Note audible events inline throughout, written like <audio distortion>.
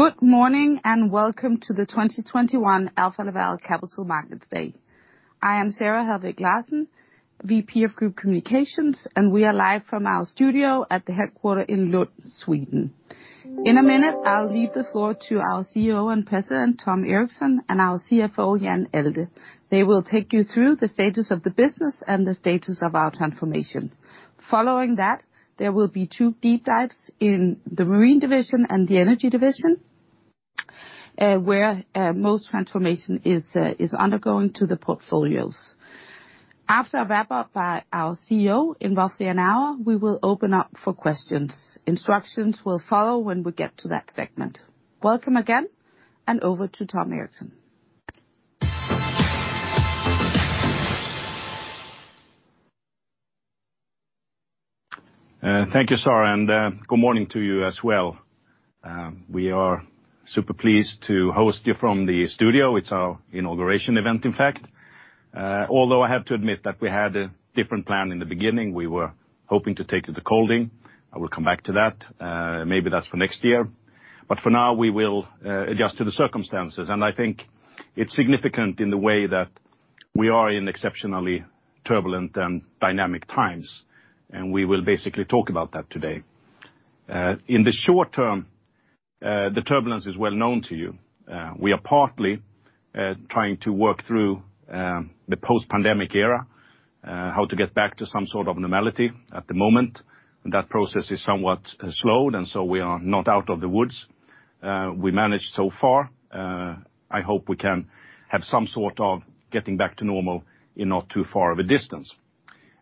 Good morning, and welcome to the 2021 Alfa Laval Capital Markets Day. I am Sara Helweg-Larsen, VP of Group Communications, and we are live from our studio at the headquarters in Lund, Sweden. In a minute, I'll leave the floor to our CEO and President, Tom Erixon, and our CFO, Jan Allde. They will take you through the status of the business and the status of our transformation. Following that, there will be two deep dives in the Marine Division and the Energy Division, where most transformation is undergoing to the portfolios. After a wrap-up by our CEO in roughly an hour, we will open up for questions. Instructions will follow when we get to that segment. Welcome again, and over to Tom Erixon. Thank you, Sara, and good morning to you as well. We are super pleased to host you from the studio. It's our inauguration event, in fact, although I have to admit that we had a different plan in the beginning. We were hoping to take you to Kolding. I will come back to that. Maybe that's for next year. But for now, we will adjust to the circumstances, and I think it's significant in the way that we are in exceptionally turbulent and dynamic times, and we will basically talk about that today. In the short term, the turbulence is well known to you. We are partly trying to work through the post-pandemic era, how to get back to some sort of normality at the moment. That process is somewhat slowed, and so we are not out of the woods. We managed so far. I hope we can have some sort of getting back to normal in not too far of a distance.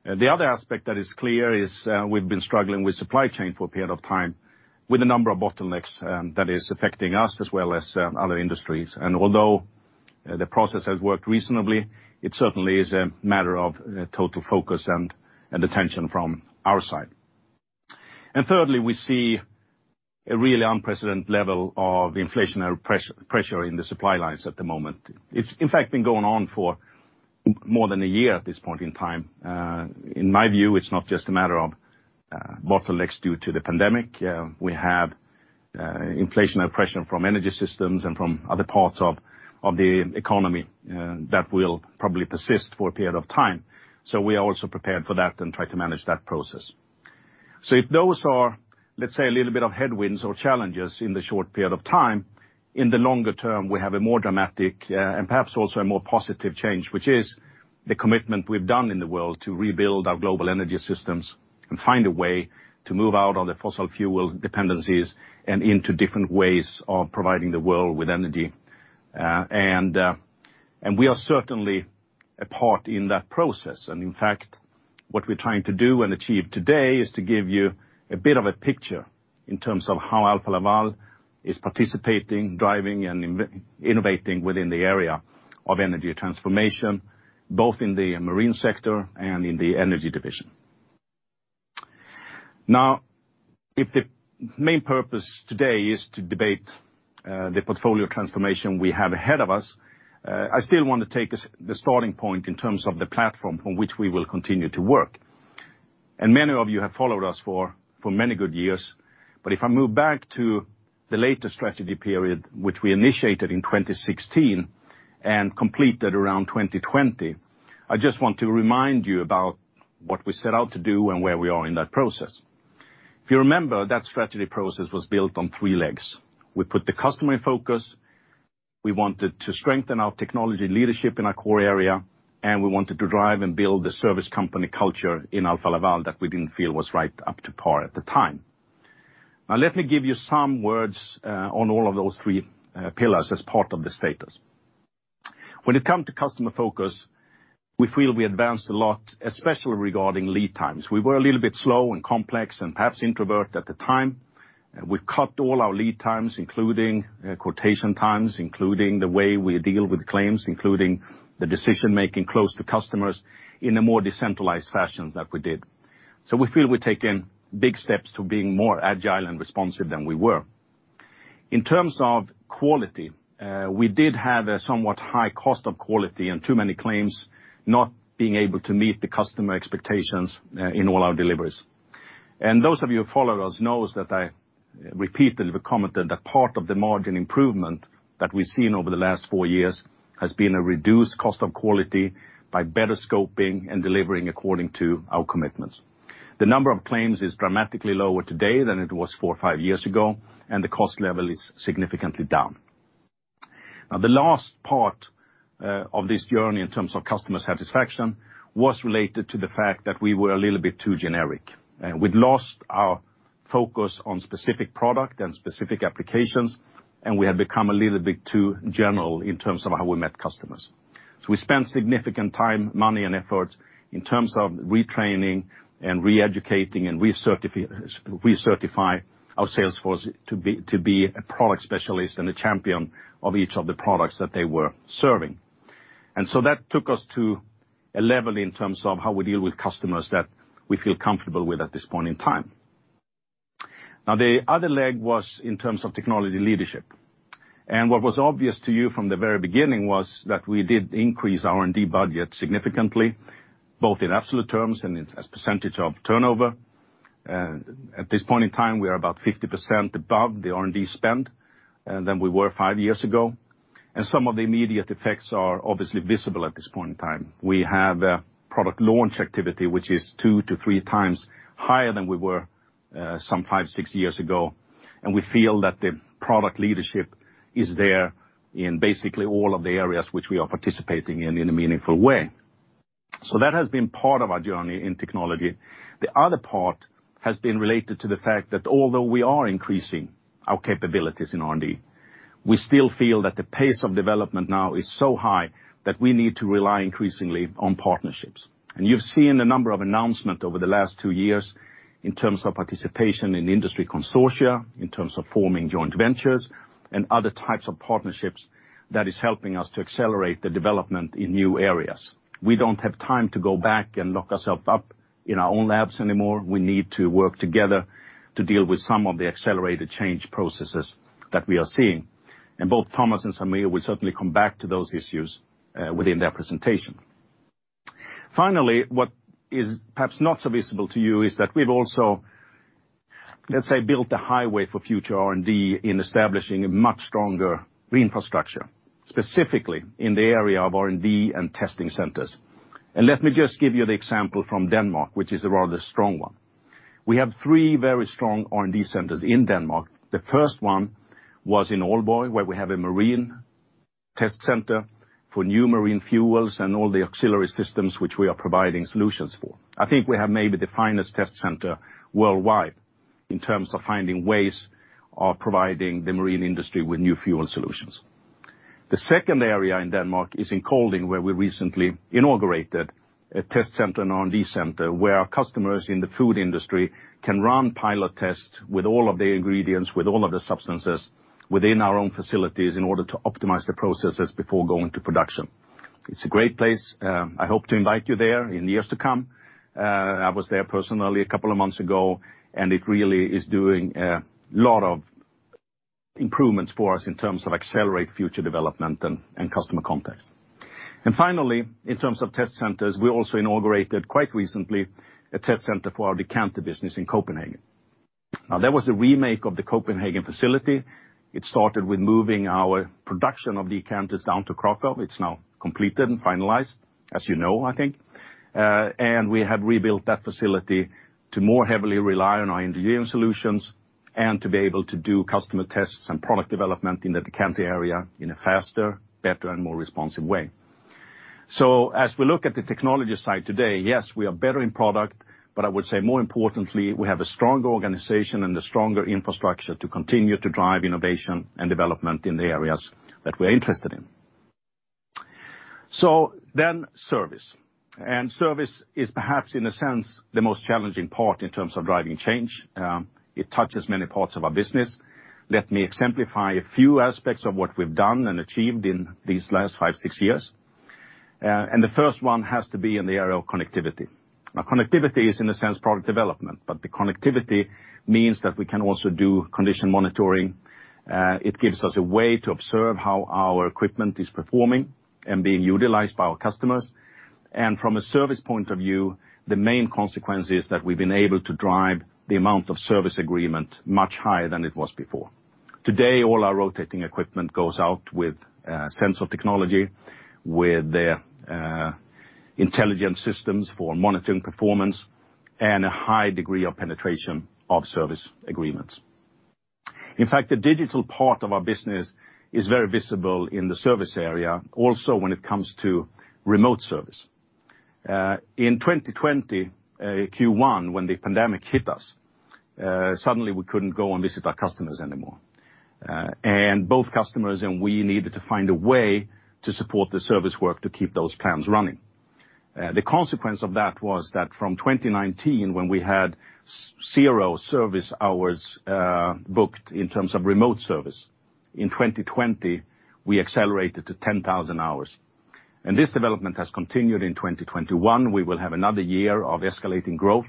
The other aspect that is clear is, we've been struggling with supply chain for a period of time with a number of bottlenecks, that is affecting us as well as other industries. Although the process has worked reasonably, it certainly is a matter of total focus and attention from our side. Thirdly, we see a really unprecedented level of inflationary pressure in the supply lines at the moment. It's, in fact, been going on for more than a year at this point in time. In my view, it's not just a matter of, bottlenecks due to the pandemic. We have inflationary pressure from energy systems and from other parts of the economy that will probably persist for a period of time. We are also prepared for that and try to manage that process. If those are, let's say, a little bit of headwinds or challenges in the short period of time, in the longer term, we have a more dramatic and perhaps also a more positive change, which is the commitment we've done in the world to rebuild our global energy systems and find a way to move out on the fossil fuels dependencies and into different ways of providing the world with energy. We are certainly a part in that process. In fact, what we're trying to do and achieve today is to give you a bit of a picture in terms of how Alfa Laval is participating, driving, and innovating within the area of energy transformation, both in the marine sector and in the energy division. Now, if the main purpose today is to debate the portfolio transformation we have ahead of us, I still want to take us to the starting point in terms of the platform from which we will continue to work. Many of you have followed us for many good years. If I move back to the latest strategy period, which we initiated in 2016 and completed around 2020, I just want to remind you about what we set out to do and where we are in that process. If you remember, that strategy process was built on three legs. We put the customer in focus, we wanted to strengthen our technology leadership in our core area, and we wanted to drive and build the service company culture in Alfa Laval that we didn't feel was right up to par at the time. Now, let me give you some words on all of those three pillars as part of the status. When it come to customer focus, we feel we advanced a lot, especially regarding lead times. We were a little bit slow and complex, and perhaps introvert at the time. We've cut all our lead times, including quotation times, including the way we deal with claims, including the decision-making close to customers in a more decentralized fashions than we did. We feel we've taken big steps to being more agile and responsive than we were. In terms of quality, we did have a somewhat high cost of quality and too many claims not being able to meet the customer expectations, in all our deliveries. Those of you who follow us knows that I repeatedly have commented that part of the margin improvement that we've seen over the last 4 years has been a reduced cost of quality by better scoping and delivering according to our commitments. The number of claims is dramatically lower today than it was 4 or 5 years ago, and the cost level is significantly down. Now, the last part, of this journey in terms of customer satisfaction was related to the fact that we were a little bit too generic. We'd lost our focus on specific product and specific applications, and we had become a little bit too general in terms of how we met customers. We spent significant time, money, and effort in terms of retraining and re-educating and recertifying our sales force to be a product specialist and a champion of each of the products that they were serving. That took us to a level in terms of how we deal with customers that we feel comfortable with at this point in time. Now the other leg was in terms of technology leadership. What was obvious to you from the very beginning was that we did increase R&D budget significantly, both in absolute terms and as percentage of turnover. At this point in time, we are about 50% above the R&D spend than we were five years ago. Some of the immediate effects are obviously visible at this point in time. We have product launch activity which is two-three times higher than we were some five-six years ago, and we feel that the product leadership is there in basically all of the areas which we are participating in in a meaningful way. That has been part of our journey in technology. The other part has been related to the fact that although we are increasing our capabilities in R&D, we still feel that the pace of development now is so high that we need to rely increasingly on partnerships. You've seen a number of announcements over the last two years in terms of participation in industry consortia, in terms of forming joint ventures, and other types of partnerships that is helping us to accelerate the development in new areas. We don't have time to go back and lock ourselves up in our own labs anymore. We need to work together to deal with some of the accelerated change processes that we are seeing. Both Thomas and Sameer will certainly come back to those issues within their presentation. Finally, what is perhaps not so visible to you is that we've also, let's say, built a highway for future R&D in establishing a much stronger infrastructure, specifically in the area of R&D and testing centers. Let me just give you the example from Denmark, which is a rather strong one. We have three very strong R&D centers in Denmark. The first one was in Aalborg, where we have a marine test center for new marine fuels and all the auxiliary systems which we are providing solutions for. I think we have maybe the finest test center worldwide in terms of finding ways of providing the marine industry with new fuel solutions. The second area in Denmark is in Kolding, where we recently inaugurated a test center and R&D center where our customers in the food industry can run pilot tests with all of the ingredients, with all of the substances within our own facilities in order to optimize the processes before going to production. It's a great place. I hope to invite you there in years to come. I was there personally a couple of months ago, and it really is doing a lot of improvements for us in terms of accelerate future development and customer context. Finally, in terms of test centers, we also inaugurated quite recently a test center for our decanter business in Copenhagen. Now there was a remake of the Copenhagen facility. It started with moving our production of decanters down to Kraków. It's now completed and finalized, as you know, I think. We have rebuilt that facility to more heavily rely on R&D solutions and to be able to do customer tests and product development in the decanter area in a faster, better, and more responsive way. As we look at the technology side today, yes, we are better in product, but I would say more importantly, we have a stronger organization and a stronger infrastructure to continue to drive innovation and development in the areas that we're interested in. Service. Service is perhaps in a sense the most challenging part in terms of driving change. It touches many parts of our business. Let me exemplify a few aspects of what we've done and achieved in these last five, six years. The first one has to be in the area of connectivity. Now connectivity is in a sense product development, but the connectivity means that we can also do condition monitoring. It gives us a way to observe how our equipment is performing and being utilized by our customers. From a service point of view, the main consequence is that we've been able to drive the amount of service agreement much higher than it was before. Today, all our rotating equipment goes out with sensor technology, with intelligent systems for monitoring performance, and a high degree of penetration of service agreements. In fact, the digital part of our business is very visible in the service area, also when it comes to remote service. In 2020, Q1, when the pandemic hit us, suddenly we couldn't go and visit our customers anymore. Both customers and we needed to find a way to support the service work to keep those plants running. The consequence of that was that from 2019, when we had zero service hours, booked in terms of remote service, in 2020, we accelerated to 10,000 hours. This development has continued in 2021. We will have another year of escalating growth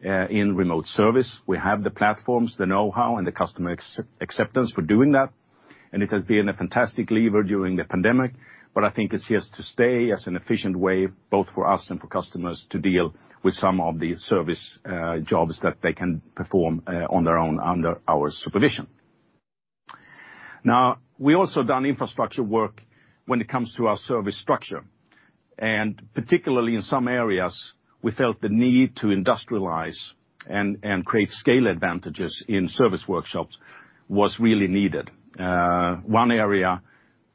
in remote service. We have the platforms, the know-how, and the customer acceptance for doing that. It has been a fantastic lever during the pandemic, but I think it's here to stay as an efficient way both for us and for customers to deal with some of the service jobs that they can perform on their own under our supervision. Now, we also done infrastructure work when it comes to our service structure. Particularly in some areas, we felt the need to industrialize and create scale advantages in service workshops was really needed. One area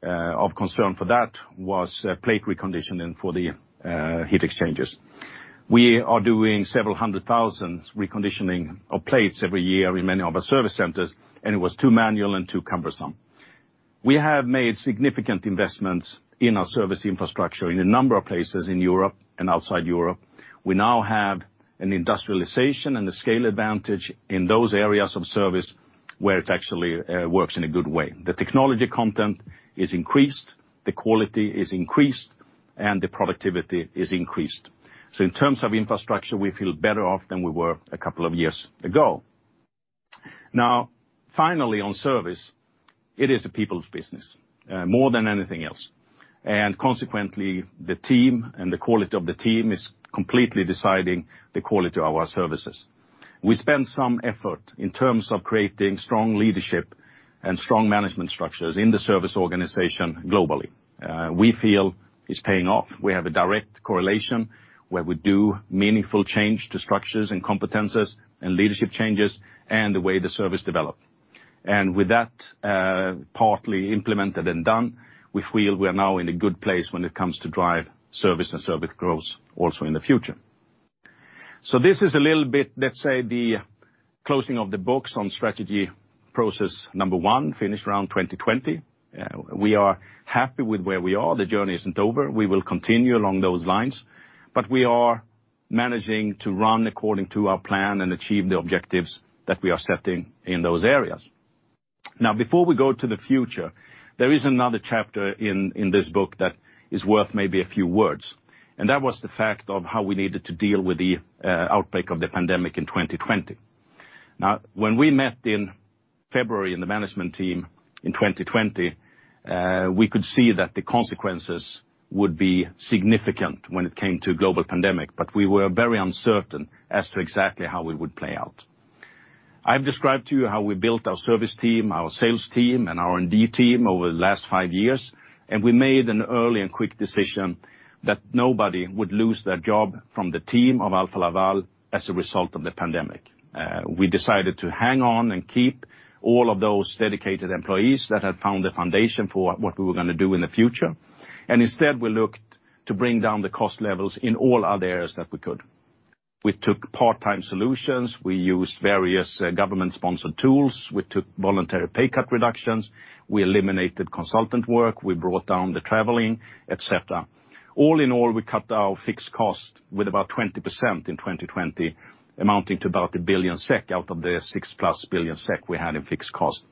of concern for that was plate reconditioning for the heat exchangers. We are doing several hundred thousand reconditioning of plates every year in many of our service centers, and it was too manual and too cumbersome. We have made significant investments in our service infrastructure in a number of places in Europe and outside Europe. We now have an industrialization and the scale advantage in those areas of service where it actually works in a good way. The technology content is increased, the quality is increased. The productivity is increased. In terms of infrastructure, we feel better off than we were a couple of years ago. Now finally, on service, it is a people's business, more than anything else. Consequently, the team and the quality of the team is completely deciding the quality of our services. We spend some effort in terms of creating strong leadership and strong management structures in the service organization globally. We feel it's paying off. We have a direct correlation where we do meaningful change to structures and competences and leadership changes and the way the service develop. With that, partly implemented and done, we feel we are now in a good place when it comes to drive service and service growth also in the future. This is a little bit, let's say, the closing of the books on strategy process number one, finished around 2020. We are happy with where we are. The journey isn't over. We will continue along those lines, but we are managing to run according to our plan and achieve the objectives that we are setting in those areas. Now before we go to the future, there is another chapter in this book that is worth maybe a few words, and that was the fact of how we needed to deal with the outbreak of the pandemic in 2020. Now, when we met in February in the management team in 2020, we could see that the consequences would be significant when it came to global pandemic, but we were very uncertain as to exactly how it would play out. I've described to you how we built our service team, our sales team, and R&D team over the last five years, and we made an early and quick decision that nobody would lose their job from the team of Alfa Laval as a result of the pandemic. We decided to hang on and keep all of those dedicated employees that had found the foundation for what we were gonna do in the future. Instead, we looked to bring down the cost levels in all other areas that we could. We took part-time solutions. We used various government-sponsored tools. We took voluntary pay cut reductions. We eliminated consultant work. We brought down the traveling, et cetera. All in all, we cut our fixed cost with about 20% in 2020, amounting to about 1 billion SEK out of the 6+ billion SEK we had in fixed cost,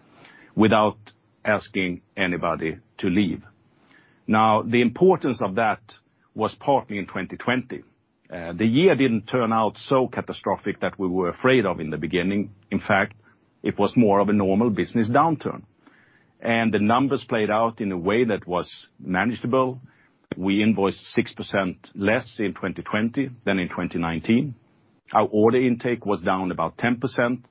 without asking anybody to leave. Now, the importance of that was partly in 2020. The year didn't turn out so catastrophic that we were afraid of in the beginning. In fact, it was more of a normal business downturn. The numbers played out in a way that was manageable. We invoiced 6% less in 2020 than in 2019. Our order intake was down about 10%,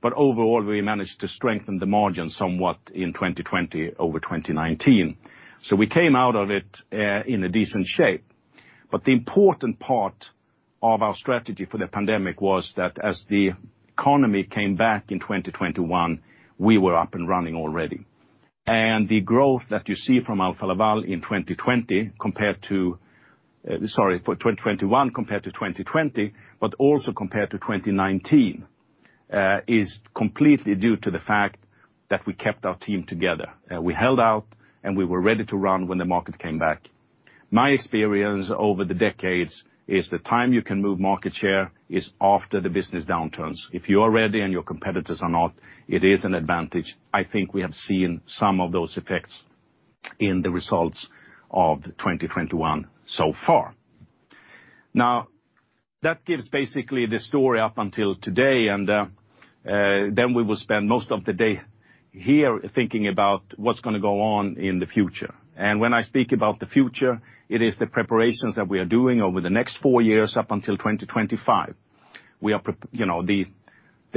but overall, we managed to strengthen the margin somewhat in 2020 over 2019. We came out of it in a decent shape. The important part of our strategy for the pandemic was that as the economy came back in 2021, we were up and running already. The growth that you see from Alfa Laval in 2021 compared to 2020, but also compared to 2019, is completely due to the fact that we kept our team together. We held out, and we were ready to run when the market came back. My experience over the decades is the time you can move market share is after the business downturns. If you are ready and your competitors are not, it is an advantage. I think we have seen some of those effects in the results of 2021 so far. Now, that gives basically the story up until today, and then we will spend most of the day here thinking about what's gonna go on in the future. When I speak about the future, it is the preparations that we are doing over the next four years up until 2025. You know, the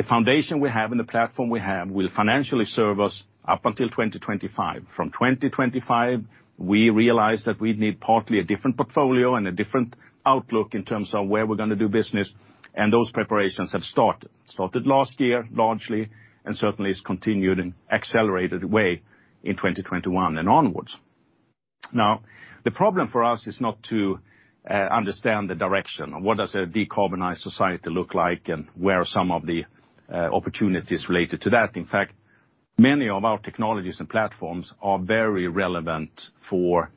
foundation we have and the platform we have will financially serve us up until 2025. From 2025, we realize that we'd need partly a different portfolio and a different outlook in terms of where we're gonna do business, and those preparations have started. Last year, largely, and certainly it's continued in accelerated way in 2021 and onwards. Now, the problem for us is not to understand the direction. What does a decarbonized society look like, and where are some of the opportunities related to that? In fact, many of our technologies and platforms are very relevant for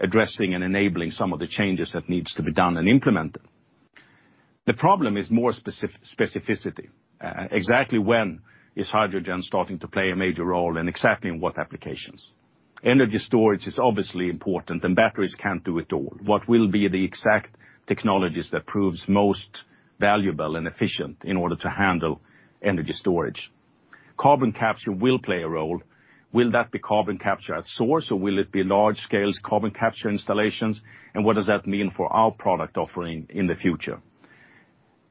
addressing and enabling some of the changes that needs to be done and implemented. The problem is more specificity. Exactly when is hydrogen starting to play a major role and exactly in what applications? Energy storage is obviously important, and batteries can't do it all. What will be the exact technologies that proves most valuable and efficient in order to handle energy storage? Carbon capture will play a role. Will that be carbon capture at source, or will it be large scale carbon capture installations, and what does that mean for our product offering in the future?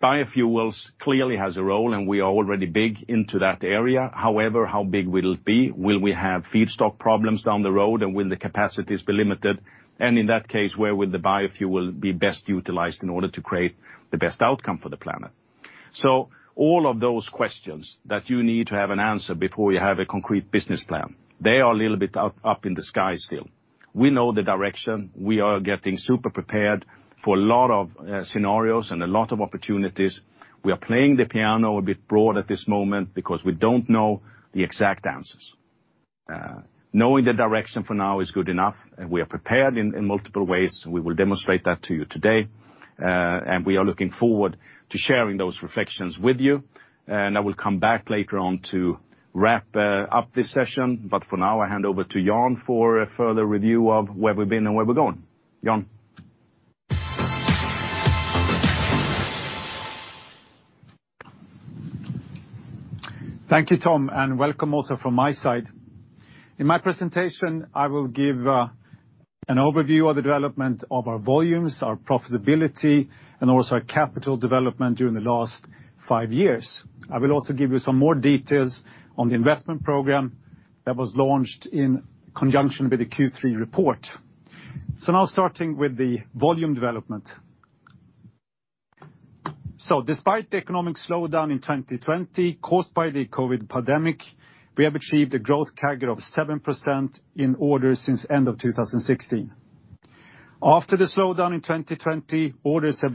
Biofuels clearly has a role, and we are already big into that area. However, how big will it be? Will we have feedstock problems down the road, and will the capacities be limited? In that case, where will the biofuel be best utilized in order to create the best outcome for the planet? All of those questions that you need to have an answer before you have a concrete business plan, they are a little bit up in the sky still. We know the direction. We are getting super prepared for a lot of scenarios and a lot of opportunities. We are playing the piano a bit broad at this moment because we don't know the exact answers. Knowing the direction for now is good enough, and we are prepared in multiple ways, and we will demonstrate that to you today. We are looking forward to sharing those reflections with you. I will come back later on to wrap up this session. For now, I hand over to Jan for a further review of where we've been and where we're going. Jan? Thank you, Tom, and welcome also from my side. In my presentation, I will give an overview of the development of our volumes, our profitability, and also our capital development during the last five years. I will also give you some more details on the investment program that was launched in conjunction with the Q3 report. Now starting with the volume development. Despite the economic slowdown in 2020 caused by the COVID pandemic, we have achieved a growth CAGR of 7% in orders since end of 2016. After the slowdown in 2020, orders have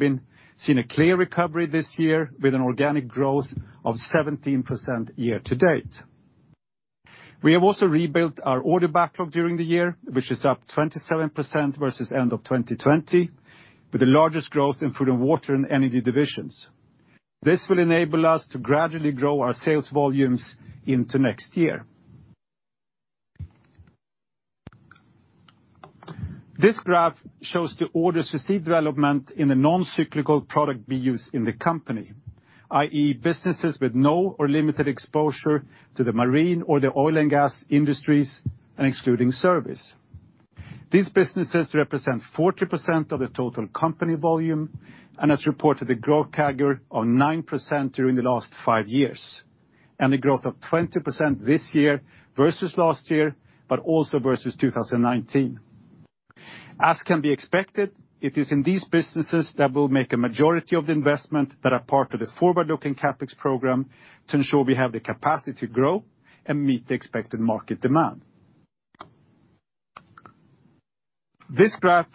seen a clear recovery this year with an organic growth of 17% year to date. We have also rebuilt our order backlog during the year, which is up 27% versus end of 2020, with the largest growth in food and water and energy divisions. This will enable us to gradually grow our sales volumes into next year. This graph shows the orders received development in the non-cyclical product we use in the company, i.e. businesses with no or limited exposure to the marine or the oil and gas industries and excluding service. These businesses represent 40% of the total company volume, and as reported, the growth CAGR of 9% during the last five years, and a growth of 20% this year versus last year, but also versus 2019. As can be expected, it is in these businesses that will make a majority of the investment that are part of the forward-looking CapEx program to ensure we have the capacity to grow and meet the expected market demand. This graph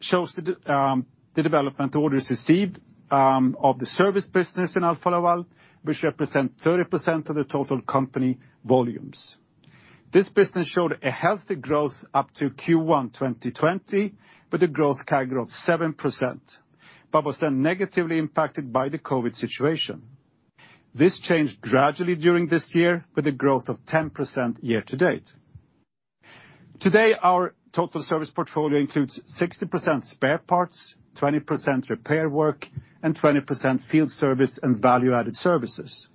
shows the development orders received of the service business in Alfa Laval, which represent 30% of the total company volumes. This business showed a healthy growth up to Q1 2020, with a growth CAGR of 7%, but was then negatively impacted by the COVID situation. This changed gradually during this year with a growth of 10% year to date. Today, our total service portfolio includes 60% spare parts, 20% repair work, and 20% field service and value-added services.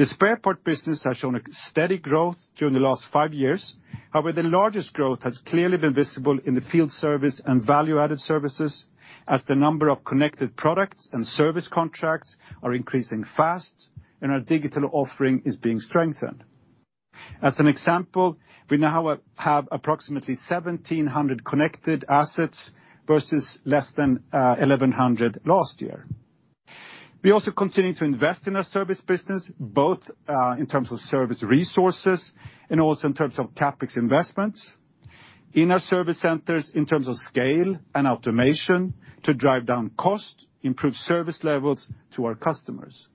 The spare part business has shown a steady growth during the last five years. However, the largest growth has clearly been visible in the field service and value-added services as the number of connected products and service contracts are increasing fast and our digital offering is being strengthened. As an example, we now have approximately 1,700 connected assets versus less than 1,100 last year. We also continue to invest in our service business, both in terms of service resources and also in terms of CapEx investments in our service centers in terms of scale and automation to drive down cost, improve service levels to our customers.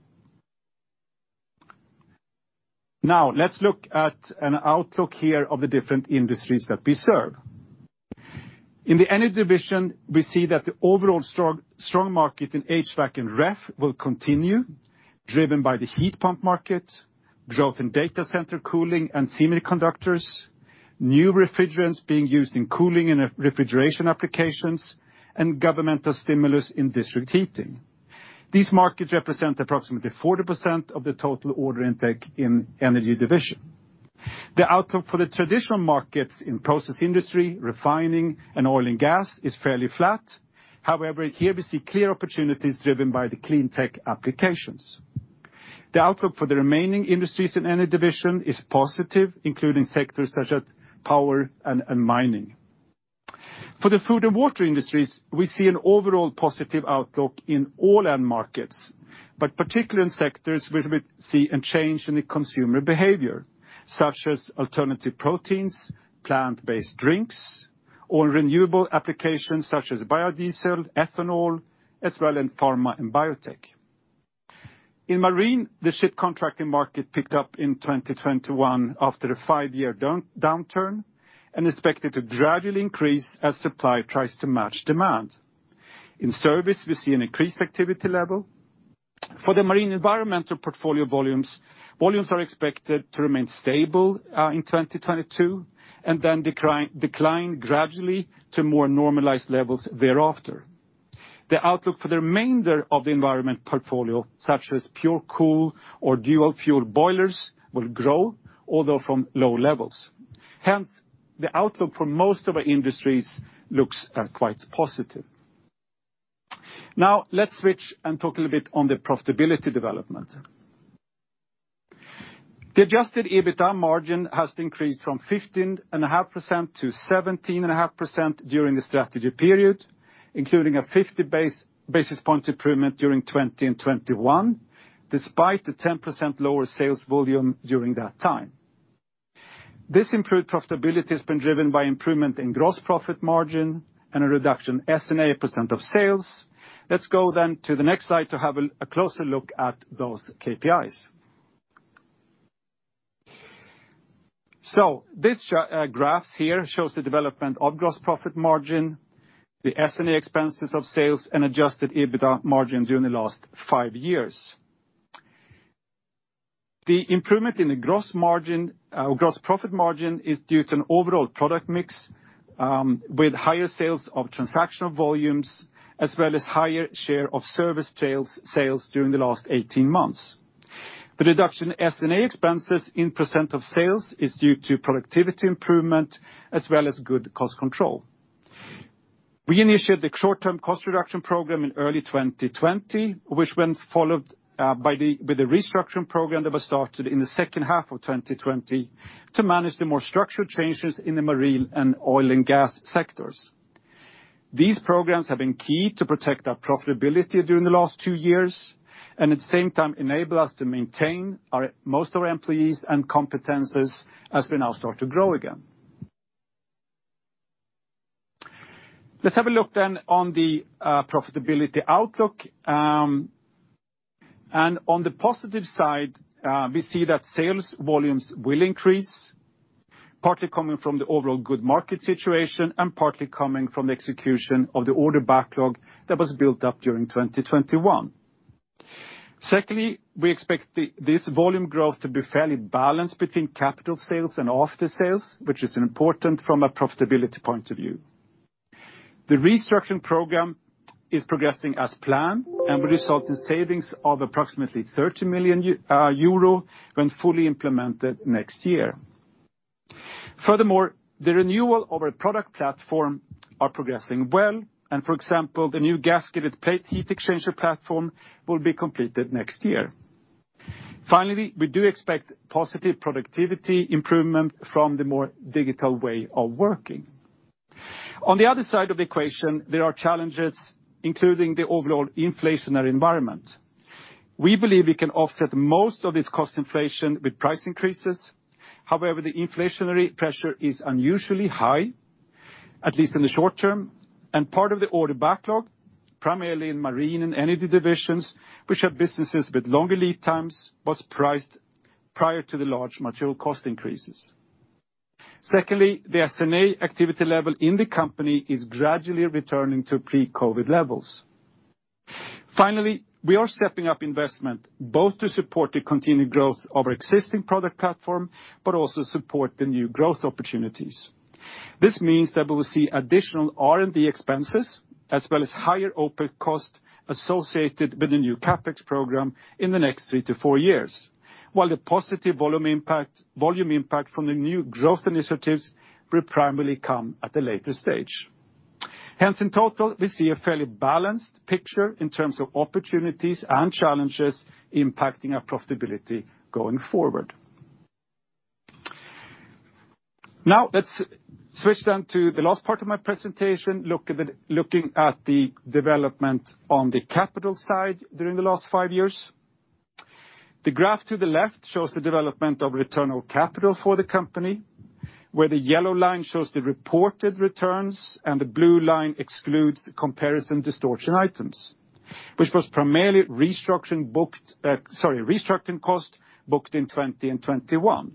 Now, let's look at an outlook here of the different industries that we serve. In the Energy Division, we see that the overall strong market in HVAC and ref will continue, driven by the heat pump market, growth in data center cooling and semiconductors, new refrigerants being used in cooling and refrigeration applications, and governmental stimulus in district heating. These markets represent approximately 40% of the total order intake in Energy Division. The outcome for the traditional markets in process industry, refining, and oil and gas is fairly flat. However, here we see clear opportunities driven by the clean tech applications. The outlook for the remaining industries in energy division is positive, including sectors such as power and mining. For the food and water industries, we see an overall positive outlook in all end markets, but particularly in sectors where we see a change in the consumer behavior, such as alternative proteins, plant-based drinks, or renewable applications such as biodiesel, ethanol, as well in pharma and biotech. In marine, the ship contracting market picked up in 2021 after a five-year downturn and expected to gradually increase as supply tries to match demand. In service, we see an increased activity level. For the marine environmental portfolio volumes are expected to remain stable in 2022, and then decline gradually to more normalized levels thereafter. The outlook for the remainder of the environment portfolio, such as PureCool or dual-fuel boilers, will grow, although from low levels. Hence, the outlook for most of our industries looks quite positive. Now, let's switch and talk a little bit on the profitability development. The adjusted EBITDA margin has increased from 15.5% to 17.5% during the strategy period, including a 50 basis point improvement during 2021, despite the 10% lower sales volume during that time. This improved profitability has been driven by improvement in gross profit margin and a reduction S&A percent of sales. Let's go then to the next slide to have a closer look at those KPIs. This chart here shows the development of gross profit margin, the S&A expenses of sales, and adjusted EBITDA margin during the last five years. The improvement in the gross margin, gross profit margin is due to an overall product mix, with higher sales of transactional volumes as well as higher share of service sales during the last 18 months. The reduction in S&A expenses in % of sales is due to productivity improvement as well as good cost control. We initiated the short-term cost reduction program in early 2020, which was followed by the restructuring program that was started in the second half of 2020 to manage the more structural changes in the marine and oil and gas sectors. These programs have been key to protect our profitability during the last 2 years, and at the same time enable us to maintain our, most of our employees and competencies as we now start to grow again. Let's have a look then on the profitability outlook. On the positive side, we see that sales volumes will increase, partly coming from the overall good market situation and partly coming from the execution of the order backlog that was built up during 2021. Secondly, we expect this volume growth to be fairly balanced between capital sales and aftersales, which is important from a profitability point of view. The restructuring program is progressing as planned and will result in savings of approximately 30 million euro when fully implemented next year. Furthermore, the renewal of our product platform are progressing well, and for example, the new gasketed plate heat exchanger platform will be completed next year. Finally, we do expect positive productivity improvement from the more digital way of working. On the other side of the equation, there are challenges, including the overall inflationary environment. We believe we can offset most of this cost inflation with price increases. However, the inflationary pressure is unusually high, at least in the short term, and part of the order backlog, primarily in marine and energy divisions, which have businesses with longer lead times, was priced prior to the large material cost increases. Secondly, the S&A activity level in the company is gradually returning to pre-COVID levels. Finally, we are stepping up investment, both to support the continued growth of our existing product platform, but also support the new growth opportunities. This means that we will see additional R&D expenses as well as higher OpEx associated with the new CapEx program in the next 3-4 years, while the positive volume impact from the new growth initiatives will primarily come at a later stage. Hence, in total, we see a fairly balanced picture in terms of opportunities and challenges impacting our profitability going forward. Now let's switch to the last part of my presentation, looking at the development on the capital side during the last 5 years. The graph to the left shows the development of return on capital for the company, where the yellow line shows the reported returns and the blue line excludes comparison distortion items, which was primarily restructuring cost booked in 2020 and 2021.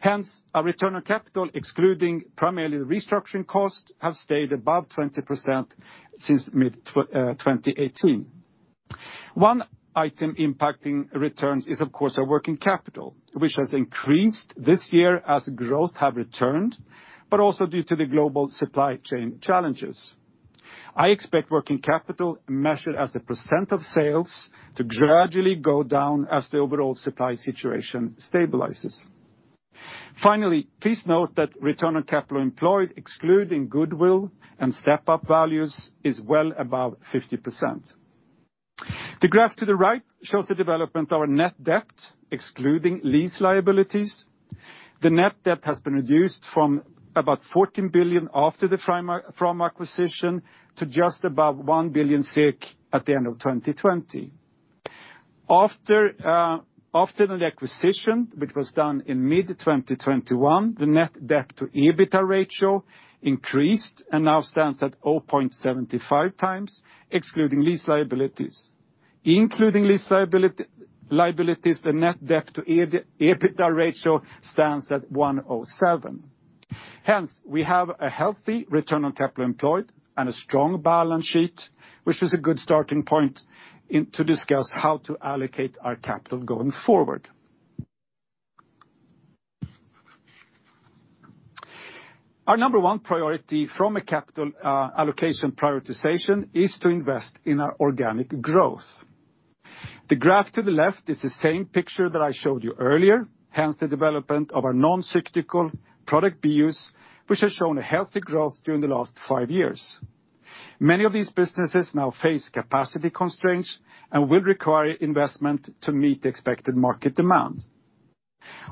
Hence, our return on capital, excluding primarily the restructuring costs, have stayed above 20% since mid-2018. One item impacting returns is of course our working capital, which has increased this year as growth have returned, but also due to the global supply chain challenges. I expect working capital measured as a % of sales to gradually go down as the overall supply situation stabilizes. Finally, please note that return on capital employed, excluding goodwill and step-up values, is well above 50%. The graph to the right shows the development of our net debt, excluding lease liabilities. The net debt has been reduced from about 14 billion SEK after the Framo acquisition to just about 1 billion SEK at the end of 2020. After the acquisition, which was done in mid-2021, the net debt to EBITDA ratio increased and now stands at 0.75x, excluding lease liabilities. Including lease liabilities, the net debt to EBITDA ratio stands at 1.07x. Hence, we have a healthy return on capital employed and a strong balance sheet, which is a good starting point into discuss how to allocate our capital going forward. Our number one priority from a capital allocation prioritization is to invest in our organic growth. The graph to the left is the same picture that I showed you earlier, hence the development of our non-cyclical product business, which has shown a healthy growth during the last five years. Many of these businesses now face capacity constraints and will require investment to meet the expected market demand.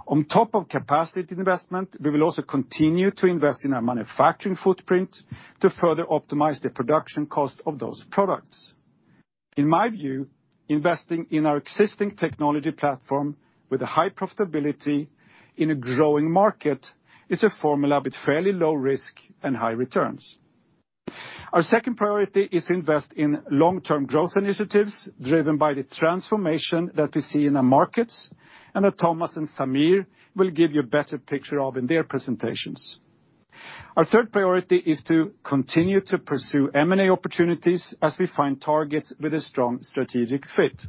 On top of capacity investment, we will also continue to invest in our manufacturing footprint to further optimize the production cost of those products. In my view, investing in our existing technology platform with a high profitability in a growing market is a formula with fairly low risk and high returns. Our second priority is to invest in long-term growth initiatives driven by the transformation that we see in our markets, and that Thomas and Samir will give you a better picture of in their presentations. Our third priority is to continue to pursue M&A opportunities as we find targets with a strong strategic fit.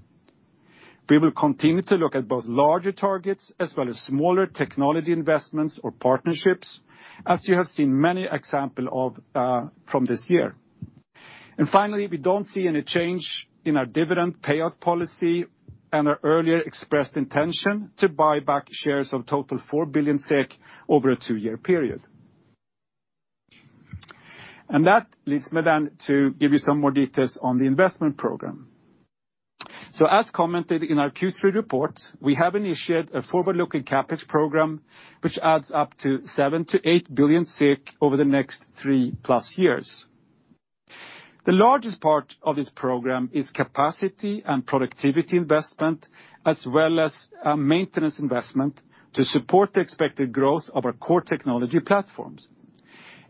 We will continue to look at both larger targets as well as smaller technology investments or partnerships, as you have seen many example of from this year. Finally, we don't see any change in our dividend payout policy and our earlier expressed intention to buy back shares of total 4 billion SEK over a two-year period. That leads me then to give you some more details on the investment program. As commented in our Q3 report, we have initiated a forward-looking CapEx program which adds up to 7-8 billion over the next 3+ years. The largest part of this program is capacity and productivity investment, as well as maintenance investment to support the expected growth of our core technology platforms.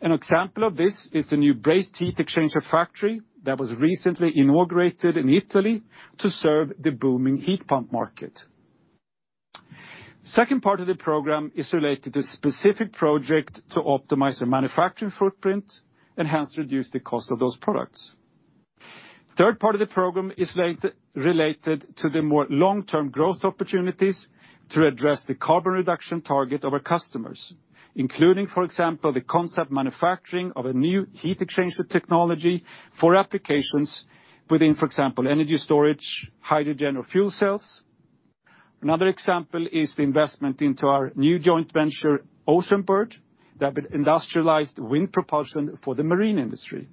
An example of this is the new brazed heat exchanger factory that was recently inaugurated in Italy to serve the booming heat pump market. Second part of the program is related to specific project to optimize the manufacturing footprint and hence reduce the cost of those products. Third part of the program is related to the more long-term growth opportunities to address the carbon reduction target of our customers, including, for example, the concept manufacturing of a new heat exchanger technology for applications within, for example, energy storage, hydrogen or fuel cells. Another example is the investment into our new joint venture, Oceanbird, that will industrialize wind propulsion for the marine industry.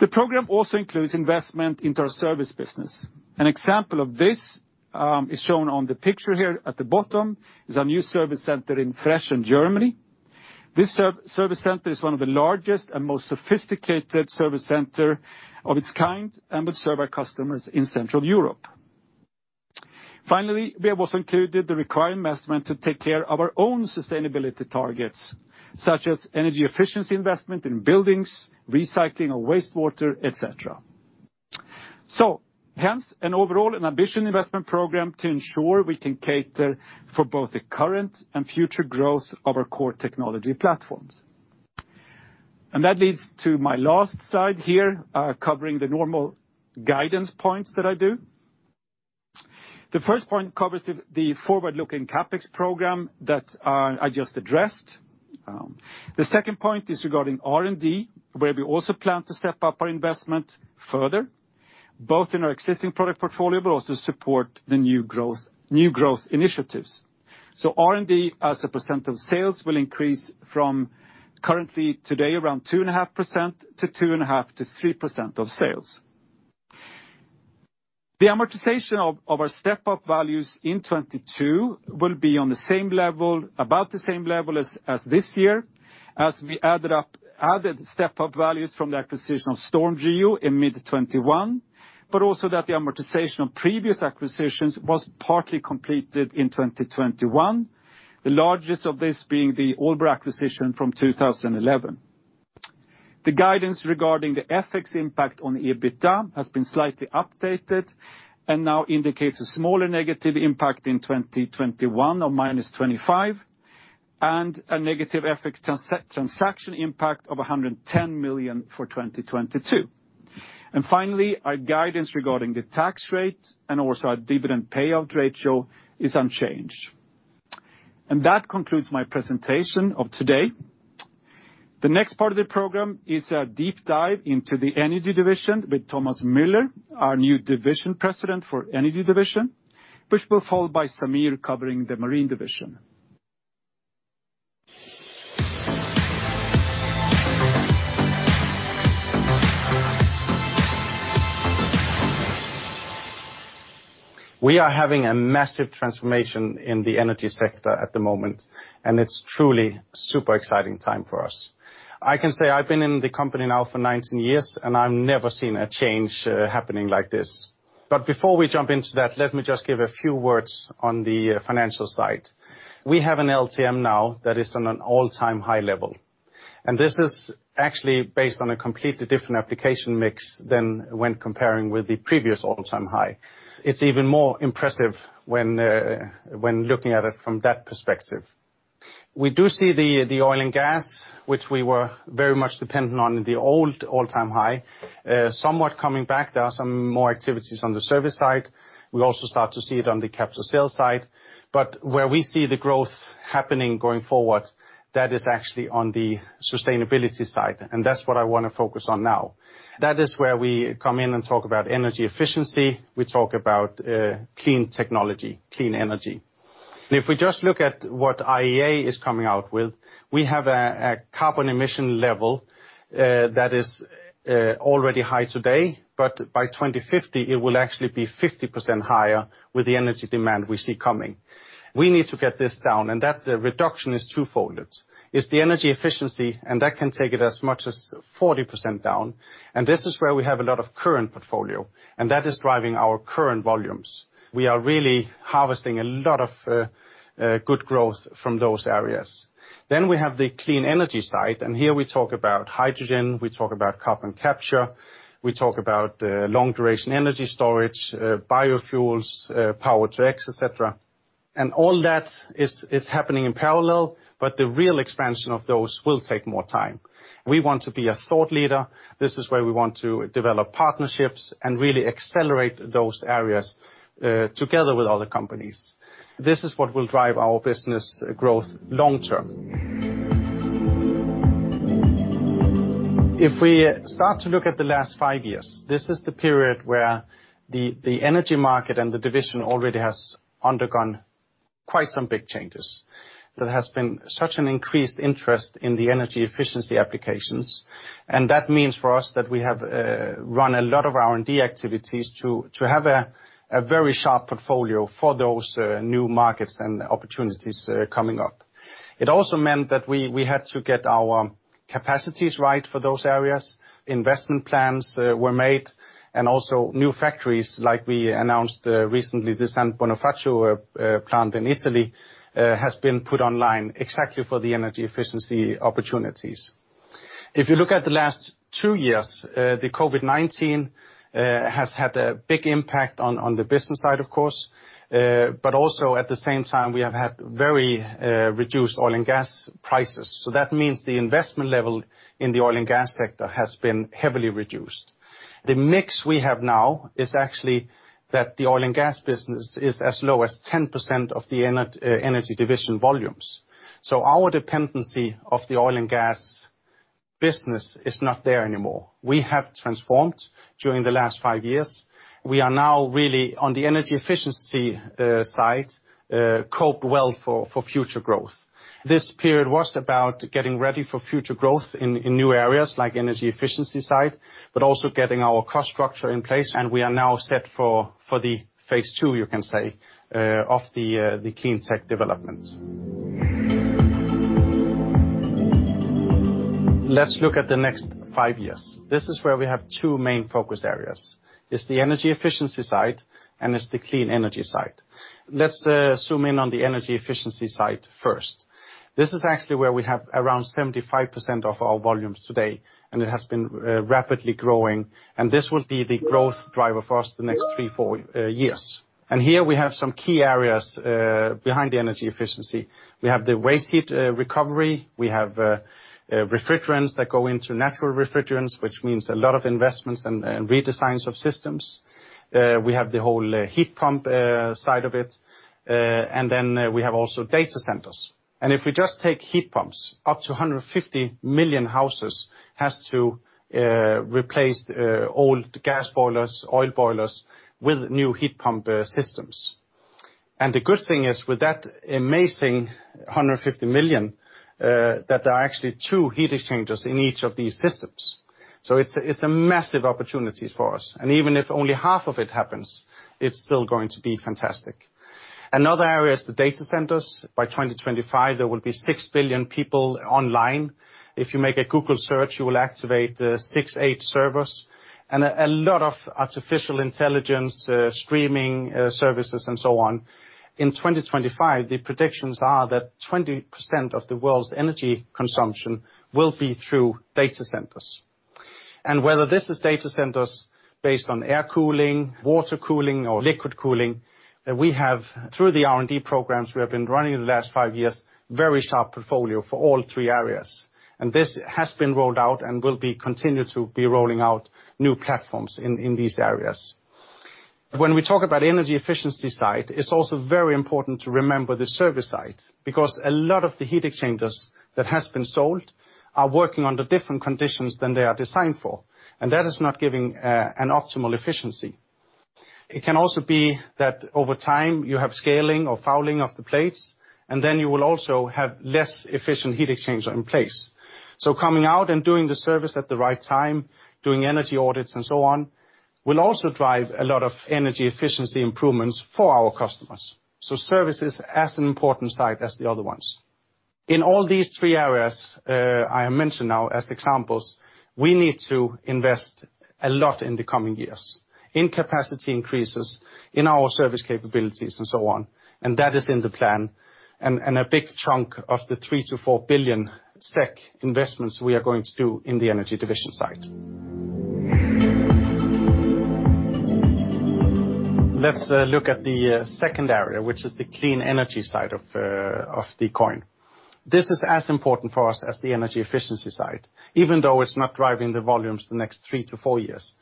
The program also includes investment into our service business. An example of this is our new service center in Frechen, Germany. This service center is one of the largest and most sophisticated service centers of its kind, and will serve our customers in Central Europe. Finally, we have also included the required investment to take care of our own sustainability targets, such as energy efficiency investment in buildings, recycling of wastewater, et cetera. Hence, an overall and ambition investment program to ensure we can cater for both the current and future growth of our core technology platforms. That leads to my last slide here, covering the normal guidance points that I do. The first point covers the forward-looking CapEx program that I just addressed. The second point is regarding R&D, where we also plan to step up our investment further, both in our existing product portfolio, but also support the new growth initiatives. R&D, as a percent of sales, will increase from currently today around 2.5% to 2.5%-3% of sales. The amortization of our step-up values in 2022 will be on the same level, about the same level as this year, as we added step-up values from the acquisition of StormGeo in mid-2021, but also that the amortization of previous acquisitions was partly completed in 2021, the largest of this being the Aalborg acquisition from 2011. The guidance regarding the FX impact on EBITDA has been slightly updated, and now indicates a smaller negative impact in 2021 of -25 million, and a negative FX transaction impact of -110 million for 2022. Finally, our guidance regarding the tax rate and also our dividend payout ratio is unchanged. That concludes my presentation of today. The next part of the program is a deep dive into the Energy Division with Thomas Møller, our new Division President for the Energy Division, which will be followed by Sameer Kalra covering the Marine Division. We are having a massive transformation in the energy sector at the moment, and it's truly super exciting time for us. I can say I've been in the company now for 19 years, and I've never seen a change happening like this. Before we jump into that, let me just give a few words on the financial side. We have an LTM now that is on an all-time high level, and this is actually based on a completely different application mix than when comparing with the previous all-time high. It's even more impressive when looking at it from that perspective. We do see the oil and gas, which we were very much dependent on in the old all-time high, somewhat coming back. There are some more activities on the service side. We also start to see it on the capital sales side. Where we see the growth happening going forward, that is actually on the sustainability side, and that's what I wanna focus on now. That is where we come in and talk about energy efficiency, we talk about clean technology, clean energy. If we just look at what IEA is coming out with, we have a carbon emission level that is already high today, but by 2050, it will actually be 50% higher with the energy demand we see coming. We need to get this down, and that reduction is twofold. It's the energy efficiency, and that can take it as much as 40% down, and this is where we have a lot of current portfolio, and that is driving our current volumes. We are really harvesting a lot of good growth from those areas. We have the clean energy side, and here we talk about hydrogen, we talk about carbon capture, we talk about long-duration energy storage, biofuels, Power-to-X, et cetera. All that is happening in parallel, but the real expansion of those will take more time. We want to be a thought leader. This is where we want to develop partnerships and really accelerate those areas together with other companies. This is what will drive our business growth long term. If we start to look at the last five years, this is the period where the energy market and the division already has undergone quite some big changes. There has been such an increased interest in the energy efficiency applications, and that means for us that we have run a lot of R&D activities to have a very sharp portfolio for those new markets and opportunities coming up. It also meant that we had to get our capacities right for those areas, investment plans were made, and also new factories, like we announced recently, the San Bonifacio plant in Italy has been put online exactly for the energy efficiency opportunities. If you look at the last two years, the COVID-19 has had a big impact on the business side, of course, but also at the same time, we have had very reduced oil and gas prices. So that means the investment level in the oil and gas sector has been heavily reduced. The mix we have now is actually that the oil and gas business is as low as 10% of the energy division volumes. So our dependency of the oil and gas business is not there anymore. We have transformed during the last five years. We are now really on the energy efficiency side, poised well for future growth. This period was about getting ready for future growth in new areas like energy efficiency side, but also getting our cost structure in place, and we are now set for the phase two, you can say, of the clean tech development. Let's look at the next five years. This is where we have two main focus areas. It's the energy efficiency side, and it's the clean energy side. Let's zoom in on the energy efficiency side first. This is actually where we have around 75% of our volumes today, and it has been rapidly growing, and this will be the growth driver for us the next three, four years. Here we have some key areas behind the energy efficiency. We have the waste heat recovery. We have refrigerants that go into natural refrigerants, which means a lot of investments and redesigns of systems. We have the whole heat pump side of it. We have also data centers. If we just take heat pumps, up to 150 million houses has to replace old gas boilers, oil boilers with new heat pump systems. The good thing is, with that amazing 150 million, that there are actually two heat exchangers in each of these systems. It's a massive opportunity for us. Even if only half of it happens, it's still going to be fantastic. Another area is the data centers. By 2025, there will be 6 billion people online. If you make a Google search, you will activate six-eight servers and a lot of artificial intelligence streaming services and so on. In 2025, the predictions are that 20% of the world's energy consumption will be through data centers. Whether this is data centers based on air cooling, water cooling or liquid cooling, we have, through the R&D programs we have been running in the last five years, very sharp portfolio for all three areas. This has been rolled out and will be continued to be rolling out new platforms in these areas. When we talk about energy efficiency side, it's also very important to remember the service side, because a lot of the heat exchangers that has been sold are working under different conditions than they are designed for, and that is not giving an optimal efficiency. It can also be that over time you have scaling or fouling of the plates, and then you will also have less efficient heat exchanger in place. Coming out and doing the service at the right time, doing energy audits and so on, will also drive a lot of energy efficiency improvements for our customers. Service is as an important side as the other ones. In all these three areas, I mentioned now as examples, we need to invest a lot in the coming years in capacity increases, in our service capabilities and so on, and that is in the plan, and a big chunk of the 3 billion-4 billion SEK investments we are going to do in the Energy Division side. Let's look at the second area, which is the clean energy side of the coin. This is as important for us as the energy efficiency side, even though it's not driving the volumes the next three-four years.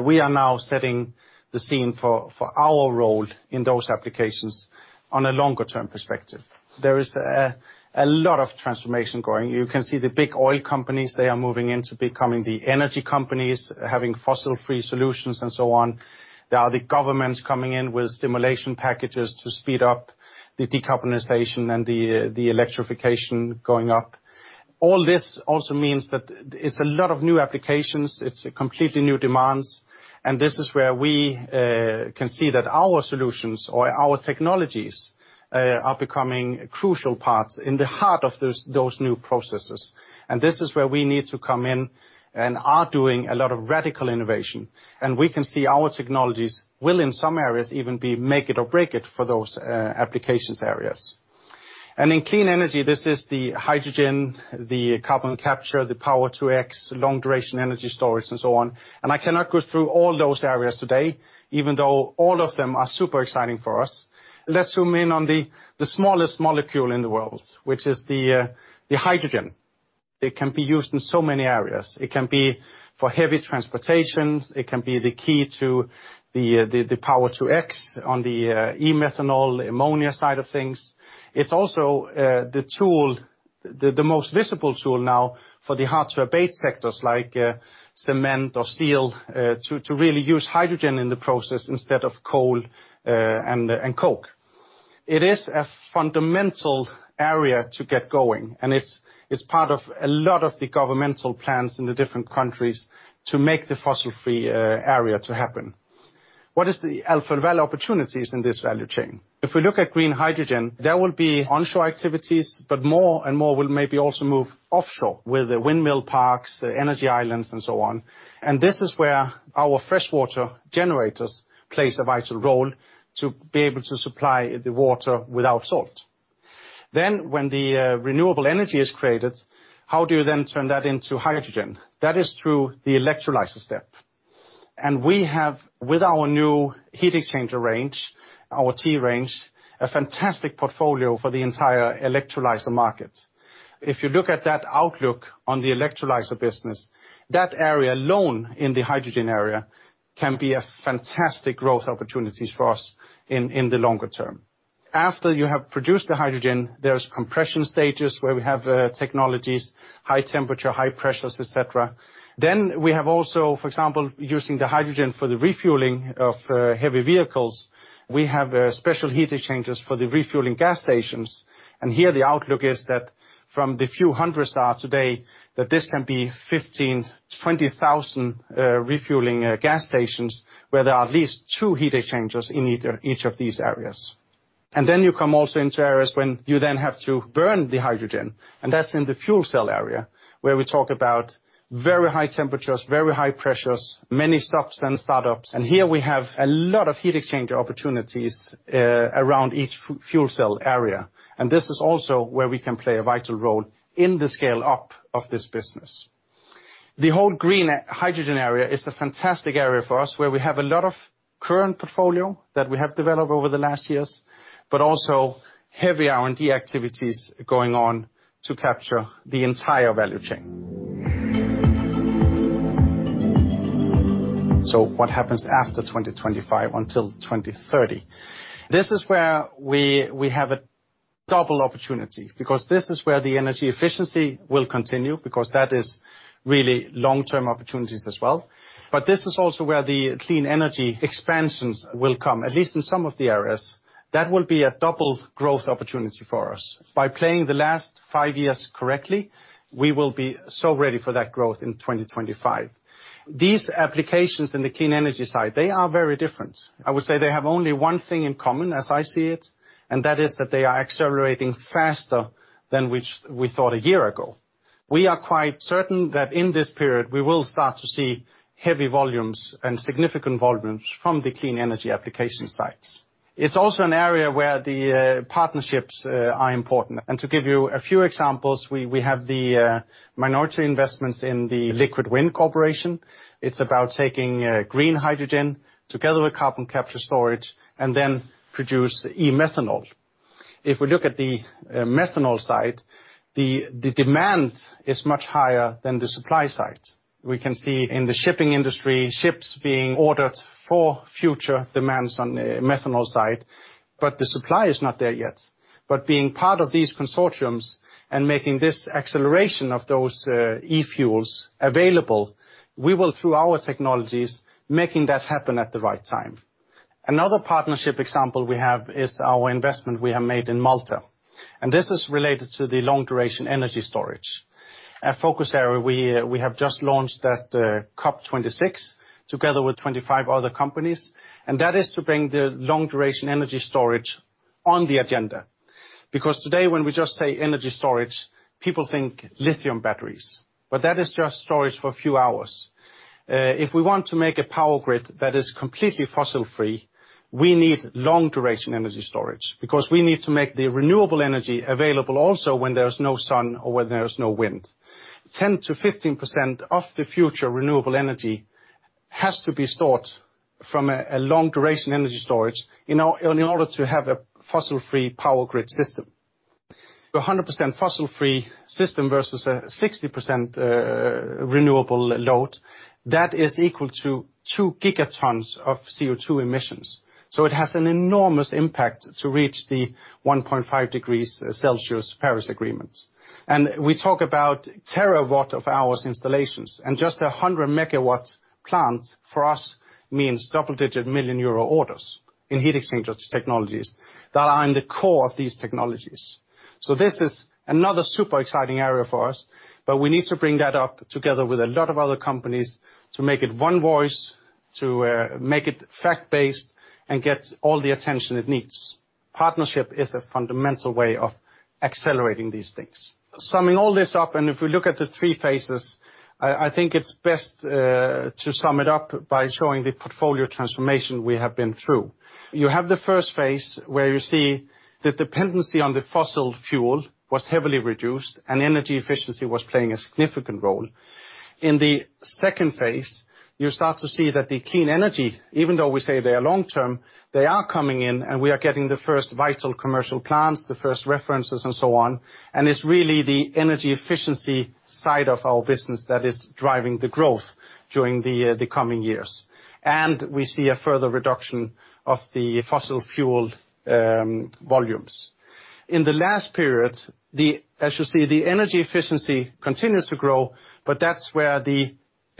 We are now setting the scene for our role in those applications on a longer term perspective. There is a lot of transformation going. You can see the big oil companies, they are moving into becoming the energy companies, having fossil-free solutions and so on. There are the governments coming in with stimulation packages to speed up the decarbonization and the electrification going up. All this also means that it's a lot of new applications, it's completely new demands, and this is where we can see that our solutions or our technologies are becoming crucial parts in the heart of those new processes. This is where we need to come in and are doing a lot of radical innovation. We can see our technologies will in some areas even be make it or break it for those applications areas. In clean energy, this is the hydrogen, the carbon capture, the Power-to-X, long duration energy storage, and so on. I cannot go through all those areas today, even though all of them are super exciting for us. Let's zoom in on the smallest molecule in the world, which is the hydrogen. It can be used in so many areas. It can be for heavy transportations, it can be the key to the Power-to-X on the e-methanol, ammonia side of things. It's also the most visible tool now for the hard to abate sectors like cement or steel to really use hydrogen in the process instead of coal and coke. It is a fundamental area to get going, and it's part of a lot of the governmental plans in the different countries to make the fossil-free area to happen. What is the Alfa Laval opportunities in this value chain? If we look at green hydrogen, there will be onshore activities, but more and more will maybe also move offshore, with the windmill parks, energy islands and so on. This is where our freshwater generators plays a vital role to be able to supply the water without salt. When the renewable energy is created, how do you then turn that into hydrogen? That is through the electrolysis step. We have, with our new heat exchanger range, our T-range, a fantastic portfolio for the entire electrolyzer market. If you look at that outlook on the electrolyzer business, that area alone in the hydrogen area can be a fantastic growth opportunities for us in the longer term. After you have produced the hydrogen, there's compression stages where we have technologies, high temperature, high pressures, et cetera. We have also, for example, using the hydrogen for the refueling of heavy vehicles. We have special heat exchangers for the refueling gas stations, and here the outlook is that from the few hundred start today, that this can be 15, 20,000 refueling gas stations, where there are at least two heat exchangers in each of these areas. Then you come also into areas when you then have to burn the hydrogen, and that's in the fuel cell area, where we talk about very high temperatures, very high pressures, many stops and startups. Here we have a lot of heat exchanger opportunities around each fuel cell area. This is also where we can play a vital role in the scale-up of this business. The whole green hydrogen area is a fantastic area for us, where we have a lot of current portfolio that we have developed over the last years, but also heavy R&D activities going on to capture the entire value chain. What happens after 2025 until 2030? This is where we have a double opportunity, because this is where the energy efficiency will continue, because that is really long-term opportunities as well. This is also where the clean energy expansions will come, at least in some of the areas. That will be a double growth opportunity for us. By playing the last five years correctly, we will be so ready for that growth in 2025. These applications in the clean energy side, they are very different. I would say they have only one thing in common as I see it, and that is that they are accelerating faster than which we thought a year ago. We are quite certain that in this period, we will start to see heavy volumes and significant volumes from the clean energy application sites. It's also an area where the partnerships are important. To give you a few examples, we have the minority investments in the Liquid Wind Corporation. It's about taking green hydrogen together with carbon capture and storage and then produce e-methanol. If we look at the methanol side, the demand is much higher than the supply side. We can see in the shipping industry, ships being ordered for future demands on the methanol side, but the supply is not there yet. Being part of these consortiums and making this acceleration of those e-fuels available, we will through our technologies, making that happen at the right time. Another partnership example we have is our investment we have made in Malta, and this is related to the long duration energy storage. A focus area we have just launched at COP26 together with 25 other companies, and that is to bring the long duration energy storage on the agenda. Because today, when we just say energy storage, people think lithium batteries, but that is just storage for a few hours. If we want to make a power grid that is completely fossil-free, we need long duration energy storage, because we need to make the renewable energy available also when there is no sun or when there is no wind. 10%-15% of the future renewable energy has to be stored from a long duration energy storage in order to have a fossil-free power grid system. 100% fossil-free system versus a 60% renewable load, that is equal to 2 gigatons of CO2 emissions. It has an enormous impact to reach the 1.5 degrees Celsius Paris Agreement. We talk about terawatt-hours installations, and just a 100-megawatt plant for us means double-digit million EUR orders in heat exchanger technologies that are in the core of these technologies. This is another super exciting area for us, but we need to bring that up together with a lot of other companies to make it one voice, to make it fact-based and get all the attention it needs. Partnership is a fundamental way of accelerating these things. Summing all this up, if we look at the 3 phases, I think it's best to sum it up by showing the portfolio transformation we have been through. You have the first phase, where you see the dependency on the fossil fuel was heavily reduced and energy efficiency was playing a significant role. In the second phase, you start to see that the clean energy, even though we say they are long-term, they are coming in, and we are getting the first vital commercial plans, the first references and so on. It's really the energy efficiency side of our business that is driving the growth during the coming years. We see a further reduction of the fossil fuel volumes. In the last period, as you see, the energy efficiency continues to grow, but that's where the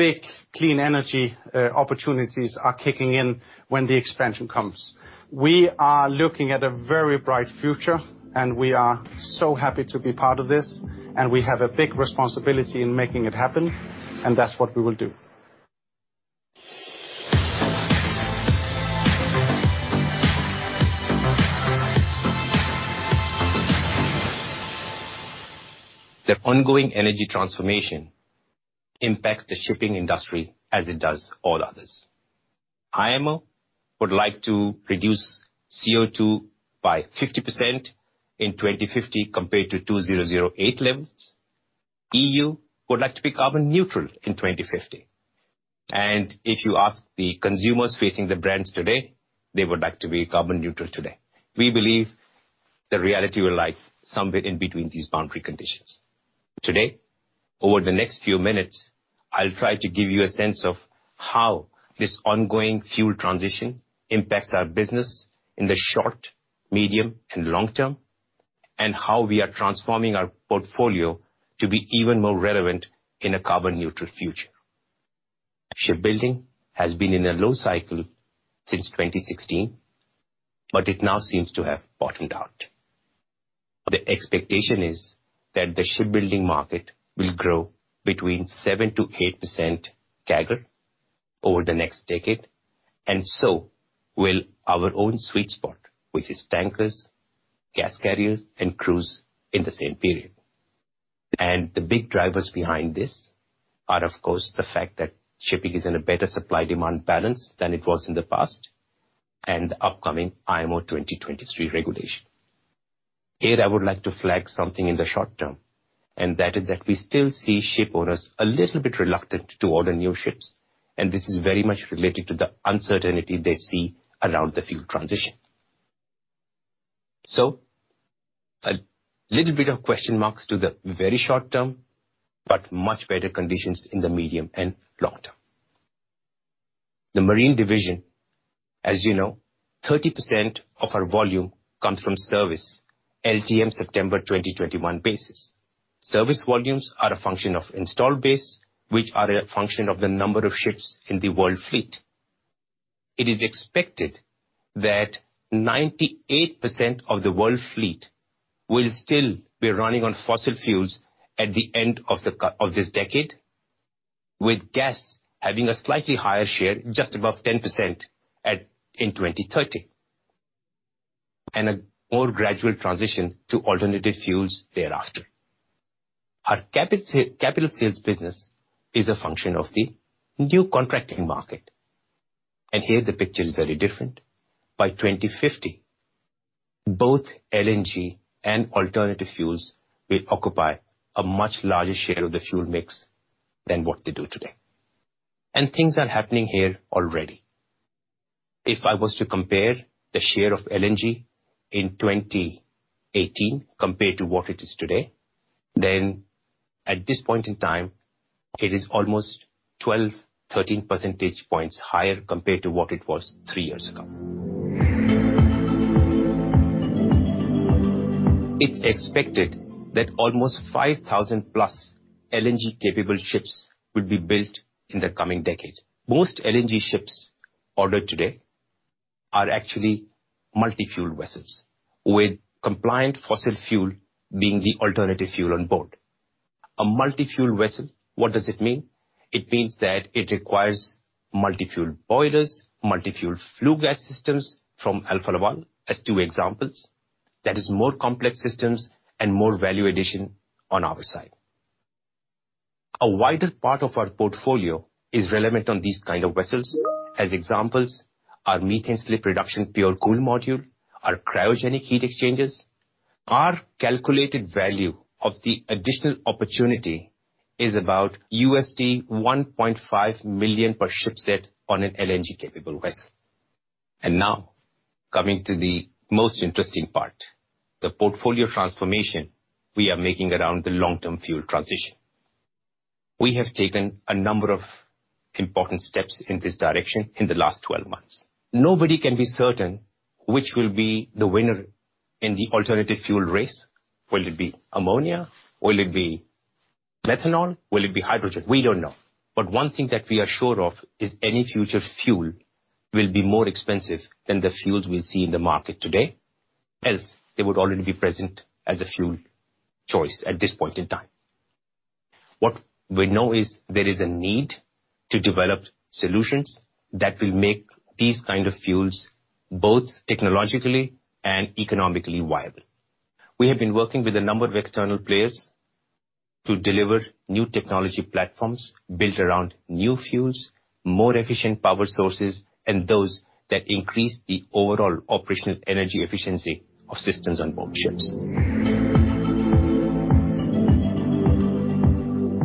big clean energy opportunities are kicking in when the expansion comes. We are looking at a very bright future, and we are so happy to be part of this, and we have a big responsibility in making it happen, and that's what we will do. The ongoing energy transformation impacts the shipping industry as it does all others. IMO would like to reduce CO2 by 50% in 2050 compared to 2008 levels. EU would like to be carbon neutral in 2050. If you ask the consumers facing the brands today, they would like to be carbon neutral today. We believe the reality will lie somewhere in between these boundary conditions. Today, over the next few minutes, I'll try to give you a sense of how this ongoing fuel transition impacts our business in the short, medium, and long term, and how we are transforming our portfolio to be even more relevant in a carbon neutral future. Shipbuilding has been in a low cycle since 2016, but it now seems to have bottomed out. The expectation is that the shipbuilding market will grow between 7%-8% CAGR over the next decade, and so will our own sweet spot, which is tankers, gas carriers, and cruise in the same period. The big drivers behind this are, of course, the fact that shipping is in a better supply-demand balance than it was in the past, and the upcoming IMO 2023 regulation. Here, I would like to flag something in the short term, and that is that we still see ship owners a little bit reluctant to order new ships, and this is very much related to the uncertainty they see around the fuel transition. A little bit of question marks to the very short term, but much better conditions in the medium and long term. The Marine Division, as you know, 30% of our volume comes from service LTM September 2021 basis. Service volumes are a function of installed base, which are a function of the number of ships in the world fleet. It is expected that 98% of the world fleet will still be running on fossil fuels at the end of this decade, with gas having a slightly higher share just above 10% in 2030, and a more gradual transition to alternative fuels thereafter. Our capital sales business is a function of the new contracting market. Here the picture is very different. By 2050, both LNG and alternative fuels will occupy a much larger share of the fuel mix than what they do today. Things are happening here already. If I was to compare the share of LNG in 2018 compared to what it is today, then at this point in time, it is almost 12-13 percentage points higher compared to what it was three years ago. It's expected that almost 5,000+ LNG-capable ships will be built in the coming decade. Most LNG ships ordered today are actually multi-fuel vessels, with compliant fossil fuel being the alternative fuel on board. A multi-fuel vessel, what does it mean? It means that it requires multi-fuel boilers, multi-fuel flue gas systems from Alfa Laval as two examples. That is more complex systems and more value addition on our side. A wider part of our portfolio is relevant on these kind of vessels. As examples, our methane slip reduction PureCool module, our cryogenic heat exchangers. Our calculated value of the additional opportunity is about $1.5 million per ship set on an LNG-capable vessel. Now, coming to the most interesting part, the portfolio transformation we are making around the long-term fuel transition. We have taken a number of important steps in this direction in the last 12 months. Nobody can be certain which will be the winner in the alternative fuel race. Will it be ammonia? Will it be methanol? Will it be hydrogen? We don't know. But one thing that we are sure of is any future fuel will be more expensive than the fuels we see in the market today, else they would already be present as a fuel choice at this point in time. What we know is there is a need to develop solutions that will make these kind of fuels both technologically and economically viable. We have been working with a number of external players to deliver new technology platforms built around new fuels, more efficient power sources, and those that increase the overall operational energy efficiency of systems on board ships.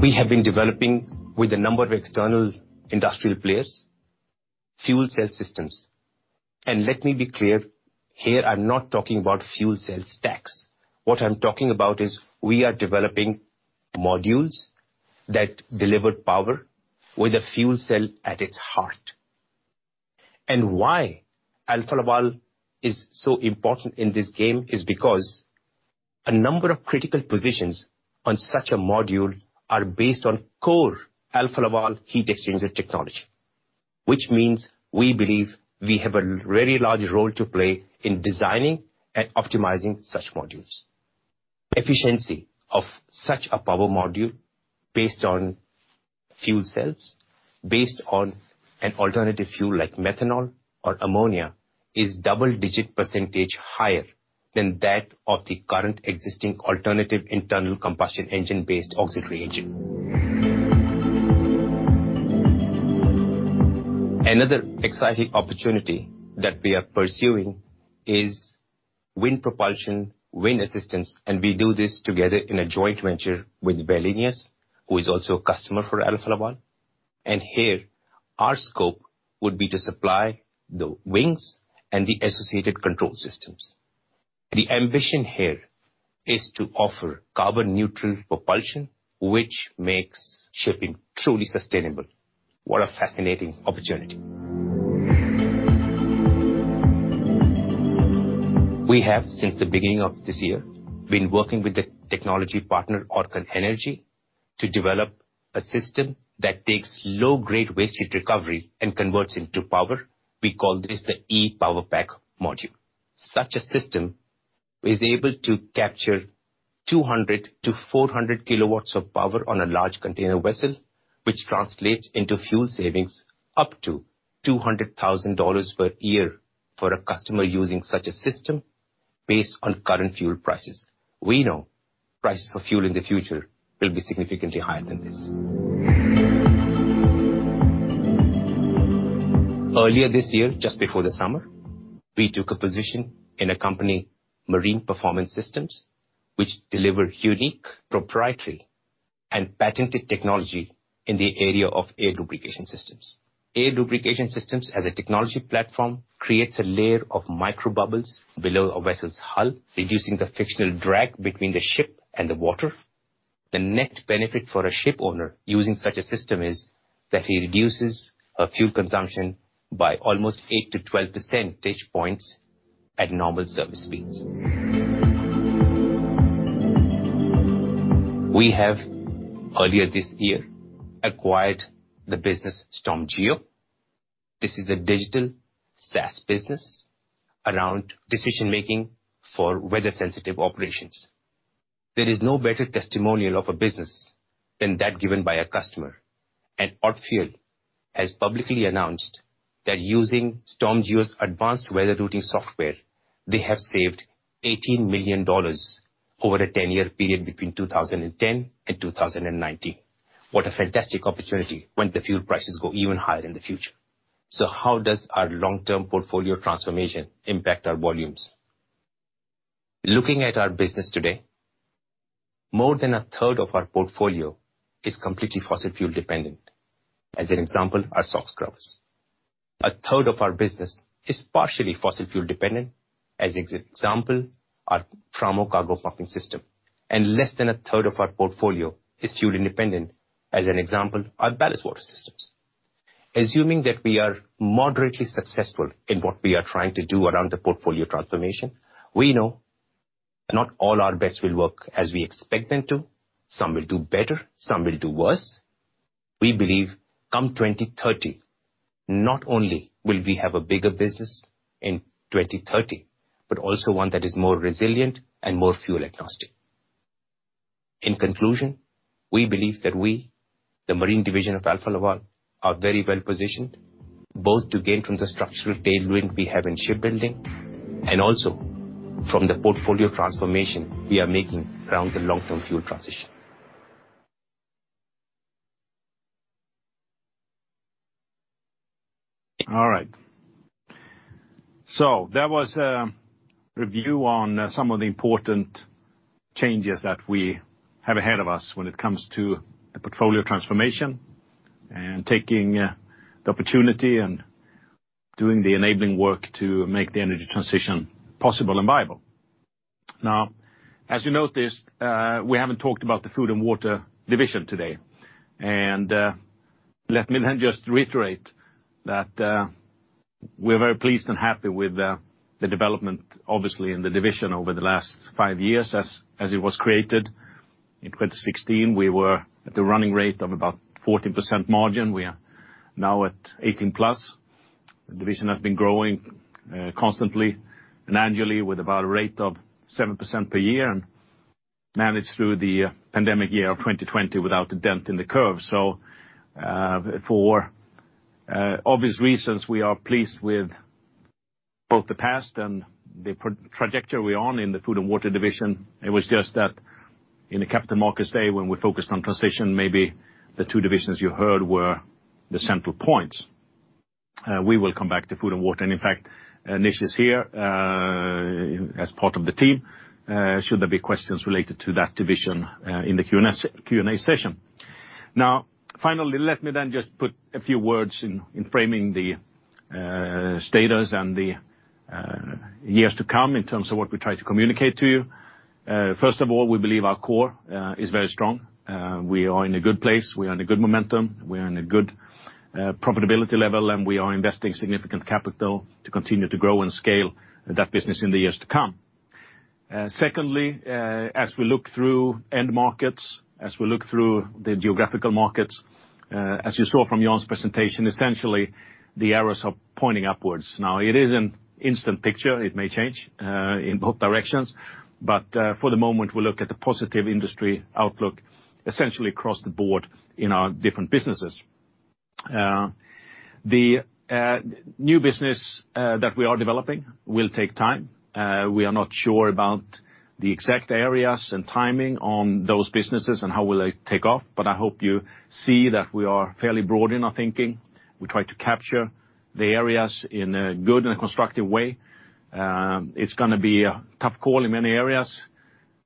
We have been developing with a number of external industrial players, fuel cell systems. Let me be clear, here I'm not talking about fuel cell stacks. What I'm talking about is we are developing modules that deliver power with a fuel cell at its heart. Why Alfa Laval is so important in this game is because a number of critical positions on such a module are based on core Alfa Laval heat exchanger technology. Which means we believe we have a very large role to play in designing and optimizing such modules. Efficiency of such a power module based on fuel cells, based on an alternative fuel like methanol or ammonia, is double-digit % higher than that of the current existing alternative internal combustion engine-based auxiliary engine. Another exciting opportunity that we are pursuing is wind propulsion, wind assistance, and we do this together in a joint venture with Wallenius, who is also a customer for Alfa Laval. Here, our scope would be to supply the wings and the associated control systems. The ambition here is to offer carbon neutral propulsion, which makes shipping truly sustainable. What a fascinating opportunity. We have, since the beginning of this year, been working with the technology partner Orcan Energy to develop a system that takes low-grade waste heat recovery and converts into power. We call this the E-PowerPack module. Such a system is able to capture 200-400 kW of power on a large container vessel, which translates into fuel savings up to $200,000 per year for a customer using such a system based on current fuel prices. We know prices for fuel in the future will be significantly higher than this. Earlier this year, just before the summer, we took a position in a company, Marine Performance Systems, which deliver unique proprietary and patented technology in the area of air lubrication systems. Air lubrication systems as a technology platform creates a layer of microbubbles below a vessel's hull, reducing the frictional drag between the ship and the water. The net benefit for a ship owner using such a system is that he reduces her fuel consumption by almost 8-12 percentage points at normal service speeds. We have, earlier this year, acquired the business StormGeo. This is a digital SaaS business around decision-making for weather sensitive operations. There is no better testimonial of a business than that given by a customer. Odfjell has publicly announced that using StormGeo's advanced weather routing software, they have saved $18 million over a 10-year period between 2010 and 2019. What a fantastic opportunity when the fuel prices go even higher in the future. How does our long-term portfolio transformation impact our volumes? Looking at our business today, more than a third of our portfolio is completely fossil fuel dependent. As an example, our SOx scrubbers. A third of our business is partially fossil fuel dependent. As an example, our Framo cargo pumping system. Less than a third of our portfolio is fuel independent. As an example, our ballast water systems. Assuming that we are moderately successful in what we are trying to do around the portfolio transformation, we know not all our bets will work as we expect them to. Some will do better, some will do worse. We believe come 2030, not only will we have a bigger business in 2030, but also one that is more resilient and more fuel agnostic. In conclusion, we believe that we, the marine division of Alfa Laval, are very well positioned, both to gain from the structural tailwind we have in shipbuilding and also from the portfolio transformation we are making around the long-term fuel transition. All right. That was a review on some of the important changes that we have ahead of us when it comes to the portfolio transformation and taking the opportunity and doing the enabling work to make the energy transition possible and viable. Now, as you noticed, we haven't talked about the Food and Water Division today. Let me then just reiterate that, we're very pleased and happy with the development, obviously, in the division over the last five years as it was created. In 2016, we were at a running rate of about 14% margin. We are now at 18+. The division has been growing constantly and annually with about a rate of 7% per year and managed through the pandemic year of 2020 without a dent in the curve. For obvious reasons, we are pleased with both the past and the projected trajectory we're on in the Food and Water division. It was just that in the Capital Markets Day when we focused on transition, maybe the two divisions you heard were the central points. We will come back to Food and Water, and in fact, Nish is here as part of the team should there be questions related to that division in the Q&A session. Now, finally, let me then just put a few words in framing the status and the years to come in terms of what we try to communicate to you. First of all, we believe our core is very strong. We are in a good place, we are in a good momentum, we are in a good profitability level, and we are investing significant capital to continue to grow and scale that business in the years to come. Secondly, as we look through end markets, as we look through the geographical markets, as you saw from Jan's presentation, essentially the arrows are pointing upwards. Now, it isn't an instant picture, it may change in both directions, but for the moment, we look at the positive industry outlook essentially across the board in our different businesses. The new business that we are developing will take time. We are not sure about the exact areas and timing on those businesses and how will they take off, but I hope you see that we are fairly broad in our thinking. We try to capture the areas in a good and constructive way. It's gonna be a tough call in many areas,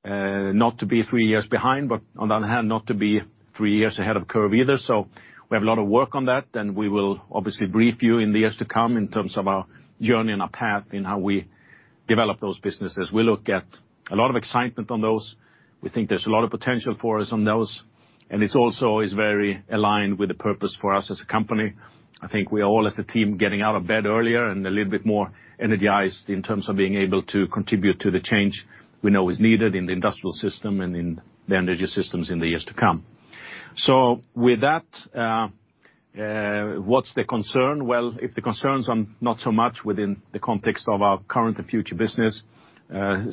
not to be three years behind, but on the other hand, not to be three years ahead of curve either. We have a lot of work on that, and we will obviously brief you in the years to come in terms of our journey and our path in how we develop those businesses. We look at a lot of excitement on those. We think there's a lot of potential for us on those, and it's also very aligned with the purpose for us as a company. I think we all as a team getting out of bed earlier and a little bit more energized in terms of being able to contribute to the change we know is needed in the industrial system and in the energy systems in the years to come. With that, what's the concern? Well, if the concerns are not so much within the context of our current and future business,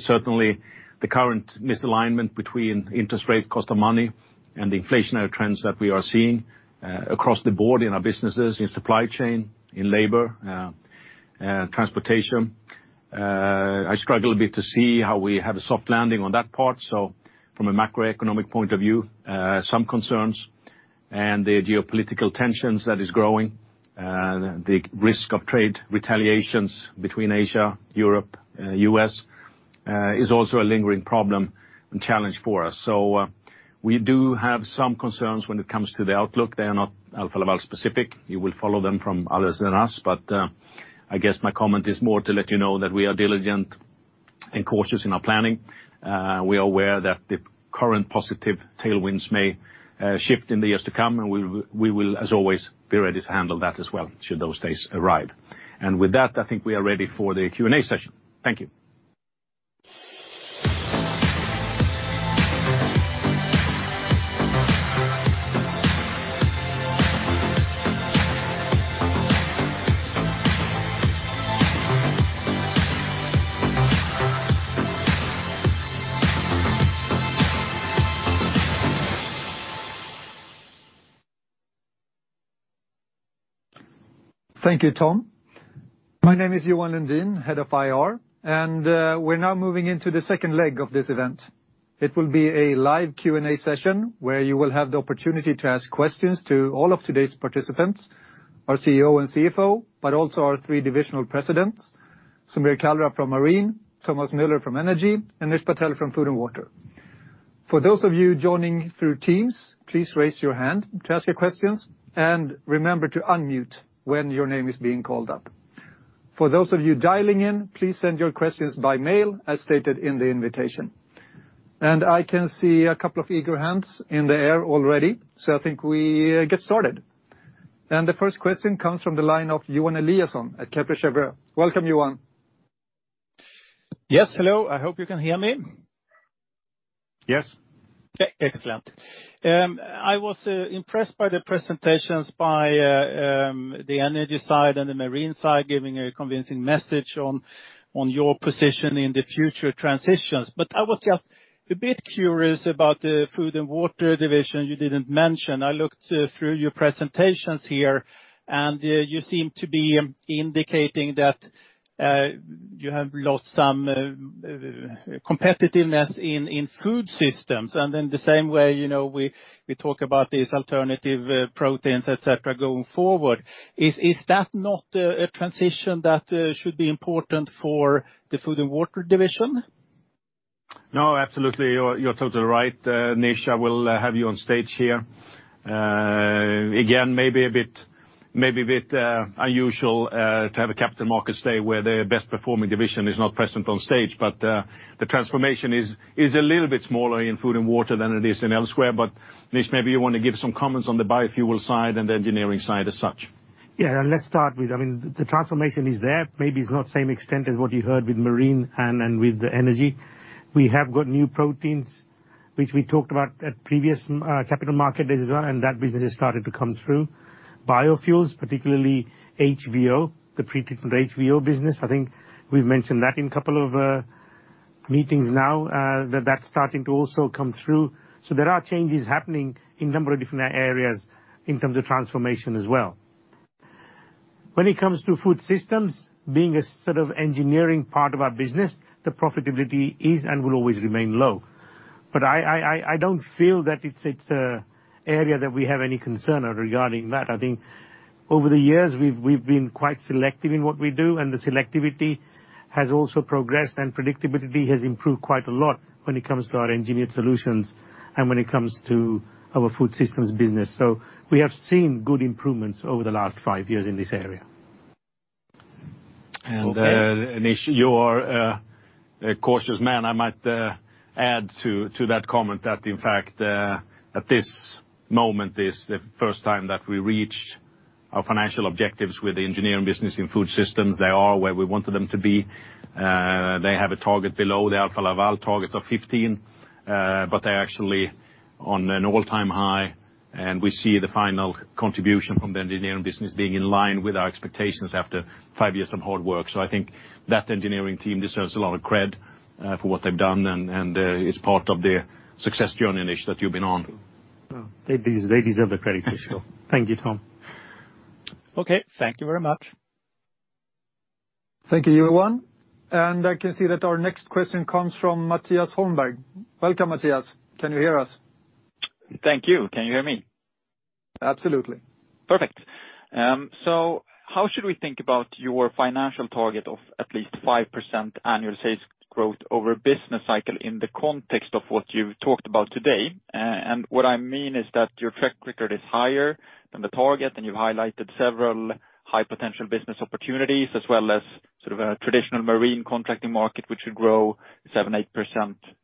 certainly the current misalignment between interest rate, cost of money, and the inflationary trends that we are seeing, across the board in our businesses, in supply chain, in labor, transportation, I struggle a bit to see how we have a soft landing on that part. From a macroeconomic point of view, some concerns and the geopolitical tensions that is growing, the risk of trade retaliations between Asia, Europe, U.S., is also a lingering problem and challenge for us. We do have some concerns when it comes to the outlook. They are not Alfa Laval specific. You will follow them from others than us. I guess my comment is more to let you know that we are diligent and cautious in our planning. We are aware that the current positive tailwinds may shift in the years to come, and we will, as always, be ready to handle that as well should those days arrive. With that, I think we are ready for the Q&A session. Thank you. Thank you, Tom. My name is Johan Lundin, head of IR, and we're now moving into the second leg of this event. It will be a live Q&A session where you will have the opportunity to ask questions to all of today's participants, our CEO and CFO, but also our three divisional presidents, Sameer Kalra from Marine, Thomas Møller from Energy, and Nish Patel from Food and Water. For those of you joining through Teams, please raise your hand to ask your questions, and remember to unmute when your name is being called up. For those of you dialing in, please send your questions by mail as stated in the invitation. I can see a couple of eager hands in the air already, so I think we get started. The first question comes from the line of Johan Eliason at Kepler Cheuvreux. Welcome, Johan. Yes, hello. I hope you can hear me. Yes. Okay, excellent. I was impressed by the presentations by the energy side and the marine side, giving a convincing message on your position in the future transitions. I was just a bit curious about the Food and Water Division you didn't mention. I looked through your presentations here, and you seem to be indicating that you have lost some competitiveness in food systems. In the same way, you know, we talk about these alternative proteins, et cetera, going forward. Is that not a transition that should be important for the Food and Water Division? No, absolutely. You're totally right. Nish, I will have you on stage here. Again, maybe a bit unusual to have a capital markets day where the best performing division is not present on stage. The transformation is a little bit smaller in Food and Water than it is elsewhere. Nish, maybe you wanna give some comments on the biofuel side and the engineering side as such. Yeah, let's start with. I mean, the transformation is there. Maybe it's not the same extent as what you heard with marine and with the energy. We have got new proteins, which we talked about at previous capital market days as well, and that business has started to come through. Biofuels, particularly HVO, the pre-treated HVO business, I think we've mentioned that in a couple of meetings now, that that's starting to also come through. There are changes happening in a number of different areas in terms of transformation as well. When it comes to food systems being a sort of engineering part of our business, the profitability is and will always remain low. I don't feel that it's an area that we have any concern regarding that. I think over the years we've been quite selective in what we do, and the selectivity has also progressed, and predictability has improved quite a lot when it comes to our engineered solutions and when it comes to our food systems business. We have seen good improvements over the last five years in this area. Nish, you're a cautious man. I might add to that comment that in fact at this moment is the first time that we reached our financial objectives with the engineering business in food systems. They are where we wanted them to be. They have a target below the Alfa Laval target of 15, but they're actually on an all-time high, and we see the final contribution from the engineering business being in line with our expectations after five years of hard work. I think that engineering team deserves a lot of cred for what they've done and is part of their success journey, Nish, that you've been on. They deserve the credit for sure. Thank you, Tom. Okay. Thank you very much. Thank you, everyone. I can see that our next question comes from Mattias Holmberg. Welcome, Mattias. Can you hear us? Thank you. Can you hear me? Absolutely. Perfect. How should we think about your financial target of at least 5% annual sales growth over a business cycle in the context of what you've talked about today? What I mean is that your track record is higher than the target, and you've highlighted several high-potential business opportunities, as well as sort of a traditional marine contracting market, which should grow 7%-8%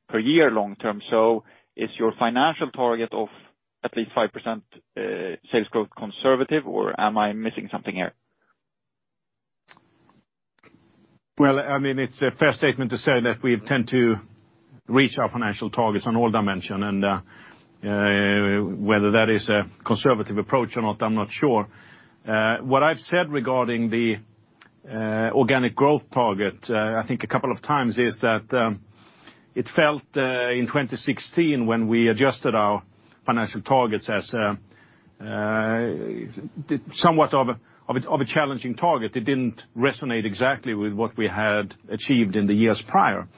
per year long term. Is your financial target of at least 5% sales growth conservative, or am I missing something here? Well, I mean, it's a fair statement to say that we tend to reach our financial targets on all dimensions. Whether that is a conservative approach or not, I'm not sure. What I've said regarding the organic growth target, I think a couple of times, is that it felt in 2016 when we adjusted our financial targets as somewhat of a challenging target. It didn't resonate exactly with what we had achieved in the years prior.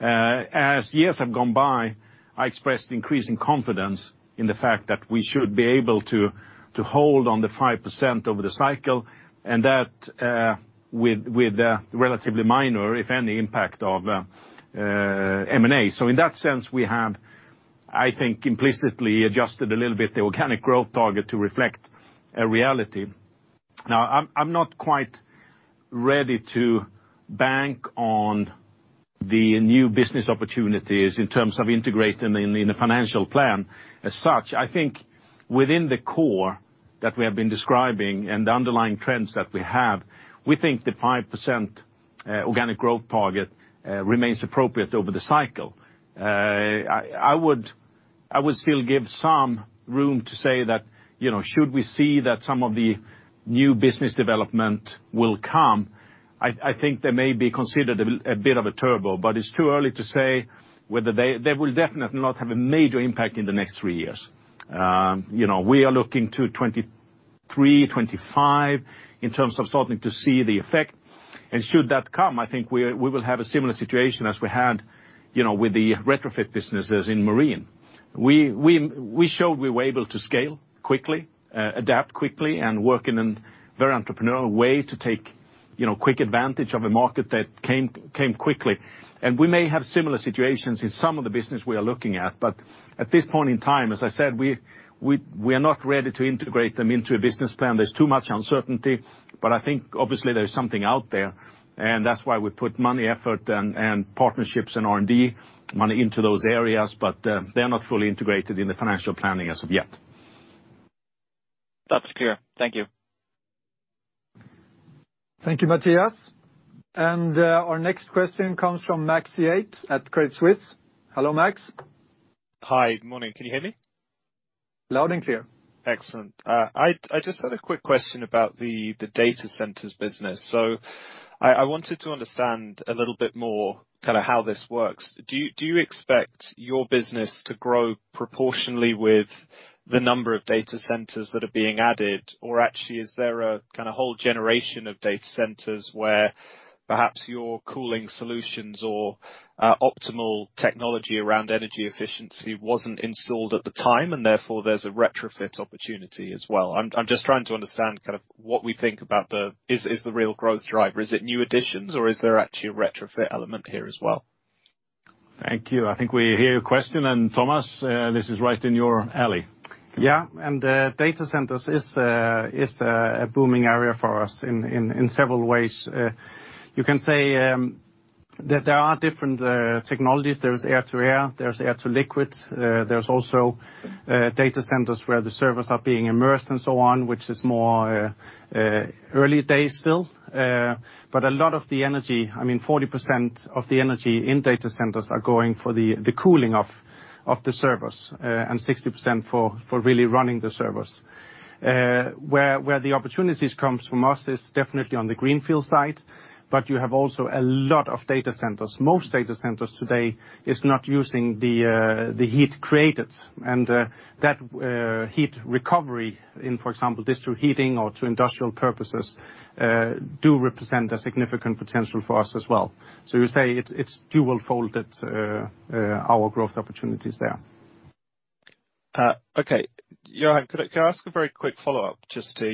As years have gone by, I expressed increasing confidence in the fact that we should be able to hold on the 5% over the cycle, and that with relatively minor, if any, impact of M&A. In that sense, we have, I think, implicitly adjusted a little bit the organic growth target to reflect a reality. Now, I'm not quite ready to bank on the new business opportunities in terms of integrating in a financial plan as such. I think within the core that we have been describing and the underlying trends that we have, we think the 5% organic growth target remains appropriate over the cycle. I would still give some room to say that, you know, should we see that some of the new business development will come, I think they may be considered a bit of a turbo, but it's too early to say whether they will definitely not have a major impact in the next three years. You know, we are looking to 2023, 2025 in terms of starting to see the effect. Should that come, I think we will have a similar situation as we had, you know, with the retrofit businesses in marine. We showed we were able to scale quickly, adapt quickly and work in a very entrepreneurial way to take, you know, quick advantage of a market that came quickly. We may have similar situations in some of the business we are looking at. But at this point in time, as I said, we are not ready to integrate them into a business plan. There's too much uncertainty, but I think obviously there's something out there, and that's why we put money, effort and partnerships and R&D money into those areas. They are not fully integrated in the financial planning as of yet. That's clear. Thank you. Thank you, Mattias. Our next question comes from Max Yates at Credit Suisse. Hello, Max. Hi. Morning. Can you hear me? Loud and clear. Excellent. I just had a quick question about the data centers business. I wanted to understand a little bit more kind of how this works. Do you expect your business to grow proportionally with the number of data centers that are being added? Or actually, is there a kind of whole generation of data centers where perhaps your cooling solutions or optimal technology around energy efficiency wasn't installed at the time and therefore there's a retrofit opportunity as well? I'm just trying to understand kind of what we think about the real growth driver. Is it new additions or is there actually a retrofit element here as well? Thank you. I think we hear your question. Thomas, this is right in your alley. Data centers is a booming area for us in several ways. You can say that there are different technologies. There's air-to-air, there's air-to-liquid, there's also data centers where the servers are being immersed and so on, which is more early days still. But a lot of the energy, I mean, 40% of the energy in data centers are going for the cooling of the servers, and 60% for really running the servers. Where the opportunities comes from us is definitely on the greenfield side, but you have also a lot of data centers. Most data centers today is not using the heat created, and that heat recovery in, for example, district heating or to industrial purposes do represent a significant potential for us as well. You say it's two-fold that our growth opportunities there. Okay. Johan, could I ask a very quick follow-up just to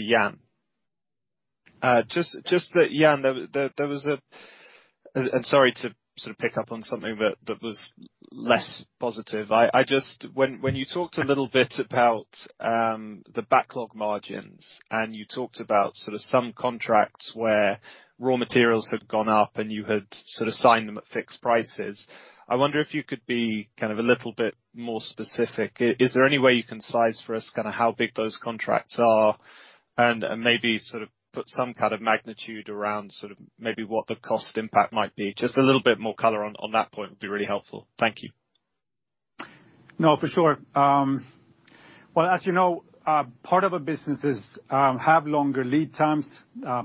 Jan? Just that, Jan, there was a sorry to sort of pick up on something that was less positive. I just... When you talked a little bit about the backlog margins, and you talked about sort of some contracts where raw materials had gone up, and you had sort of signed them at fixed prices, I wonder if you could be kind of a little bit more specific. Is there any way you can size for us kinda how big those contracts are and maybe sort of put some kind of magnitude around sort of maybe what the cost impact might be? Just a little bit more color on that point would be really helpful. Thank you. No, for sure. Well, as you know, part of a business is have longer lead times,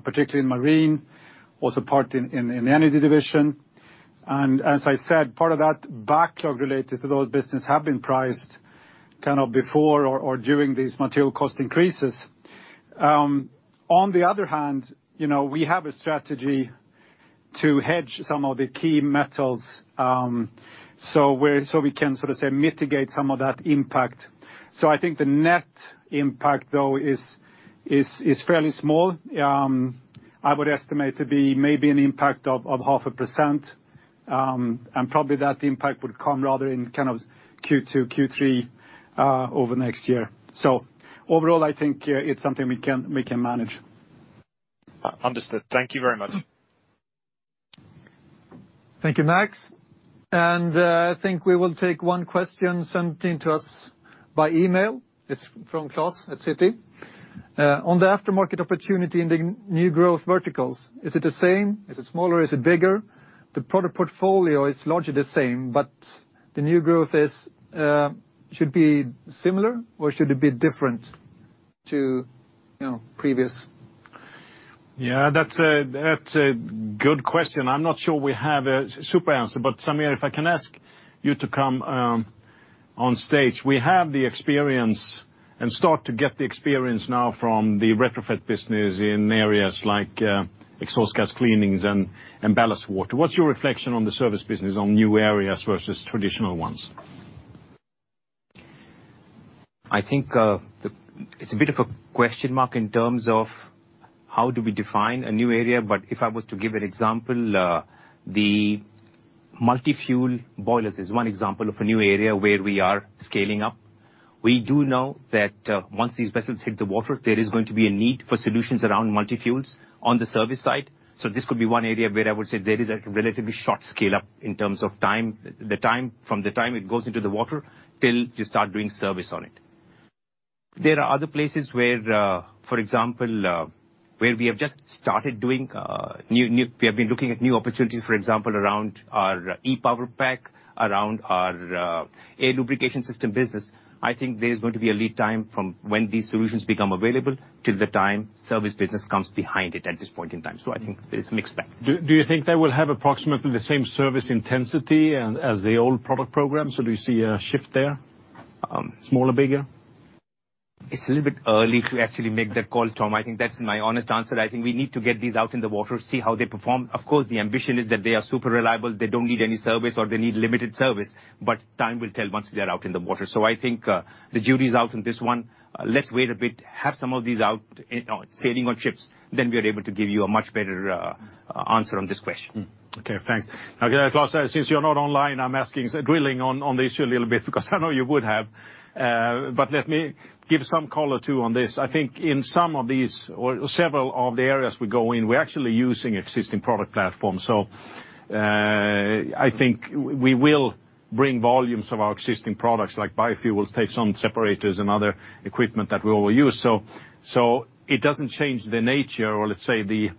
particularly in marine, also part in the energy division. As I said, part of that backlog related to those business have been priced kind of before or during these material cost increases. On the other hand, you know, we have a strategy to hedge some of the key metals, so we can sort of mitigate some of that impact. I think the net impact, though, is fairly small. I would estimate to be maybe an impact of 0.5%, and probably that impact would come rather in kind of Q2, Q3 over next year. Overall, I think it's something we can manage. Understood. Thank you very much. Thank you, Max. I think we will take one question sent in to us by email. It's from Klas Bergelind at Citi. On the aftermarket opportunity in the new growth verticals, is it the same? Is it smaller? Is it bigger? The product portfolio is largely the same, but the new growth should be similar, or should it be different to, you know, previous? Yeah, that's a good question. I'm not sure we have a super answer, but Sameer, if I can ask you to come on stage. We have the experience and start to get the experience now from the retrofit business in areas like exhaust gas cleanings and ballast water. What's your reflection on the service business on new areas versus traditional ones? I think it's a bit of a question mark in terms of how do we define a new area. If I was to give an example, the multi-fuel boilers is one example of a new area where we are scaling up. We do know that once these vessels hit the water, there is going to be a need for solutions around multi-fuels on the service side. This could be one area where I would say there is a relatively short scale-up in terms of time from the time it goes into the water till you start doing service on it. There are other places where for example we have been looking at new opportunities, for example, around our E-PowerPack, around our air lubrication system business. I think there is going to be a lead time from when these solutions become available till the time service business comes behind it at this point in time. I think there is a mixed bag. Do you think they will have approximately the same service intensity and as the old product program? Do you see a shift there, smaller, bigger? It's a little bit early to actually make that call, Tom. I think that's my honest answer. I think we need to get these out in the water, see how they perform. Of course, the ambition is that they are super reliable, they don't need any service, or they need limited service. Time will tell once they're out in the water. I think, the jury's out on this one. Let's wait a bit, have some of these out, sailing on ships, then we are able to give you a much better answer on this question. Okay, thanks. Okay, Klas, since you're not online, I'm asking, drilling on the issue a little bit because I know you would have. But let me give some color, too, on this. I think in some of these or several of the areas we go in, we're actually using existing product platforms. I think we will bring volumes of our existing products like biofuels, take some separators and other equipment that we will use. It doesn't change the nature or let's say the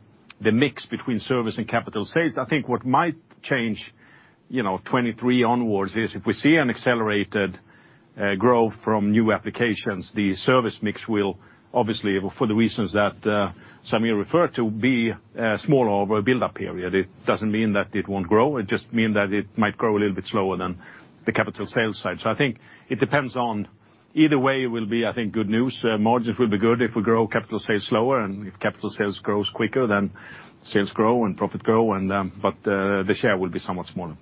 mix between service and capital sales. I think what might change, you know, 2023 onwards is if we see an accelerated growth from new applications, the service mix will obviously, for the reasons that Sameer referred to, be smaller over a build-up period. It doesn't mean that it won't grow. It just mean that it might grow a little bit slower than the capital sales side. I think it depends either way it will be, I think, good news. Margins will be good if we grow capital sales slower, and if capital sales grows quicker, then sales grow and profit grow and, but the share will be somewhat smaller.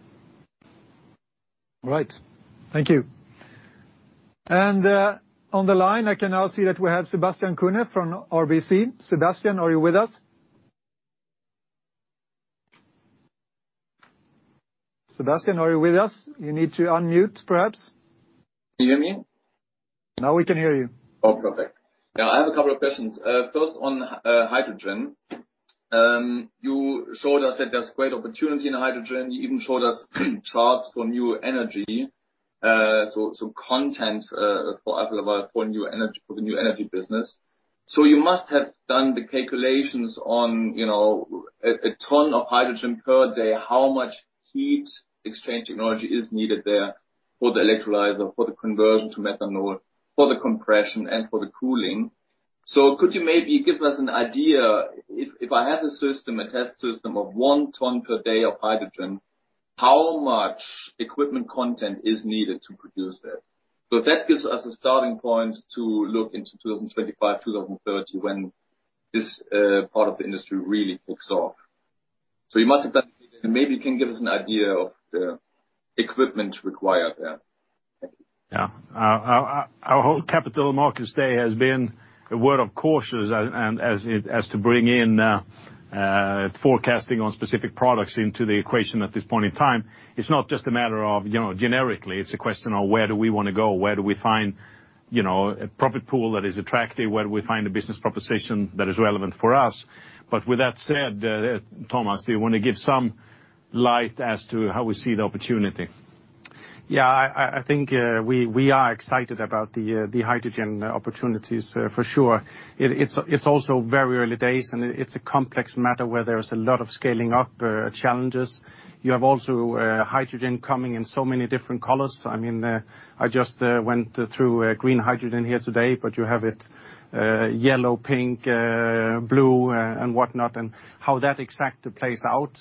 All right. Thank you. On the line, I can now see that we have Sebastian Kuenne from RBC. Sebastian, are you with us? You need to unmute perhaps. Can you hear me? Now we can hear you. Oh, perfect. Now, I have a couple of questions. First on hydrogen. You showed us that there's great opportunity in hydrogen. You even showed us charts for new energy, so some content for <audio distortion> for new energy, for the new energy business. You must have done the calculations on, you know, a ton of hydrogen per day, how much heat exchange technology is needed there for the electrolyzer, for the conversion to methanol, for the compression, and for the cooling. Could you maybe give us an idea, if I had a system, a test system of one ton per day of hydrogen, how much equipment content is needed to produce that? That gives us a starting point to look into 2025, 2030 when this part of the industry really takes off. You must have done and maybe you can give us an idea of the equipment required there. Thank you. Yeah. Our whole capital markets day has been a word of caution as to bringing in forecasting on specific products into the equation at this point in time. It's not just a matter of, you know, generically. It's a question of where do we wanna go? Where do we find, you know, a profit pool that is attractive? Where do we find a business proposition that is relevant for us? With that said, Thomas, do you wanna give some light as to how we see the opportunity? Yeah, I think we are excited about the hydrogen opportunities for sure. It's also very early days, and it's a complex matter where there's a lot of scaling up challenges. You have also hydrogen coming in so many different colors. I mean, I just went through green hydrogen here today, but you have it yellow, pink, blue and whatnot. How that exactly plays out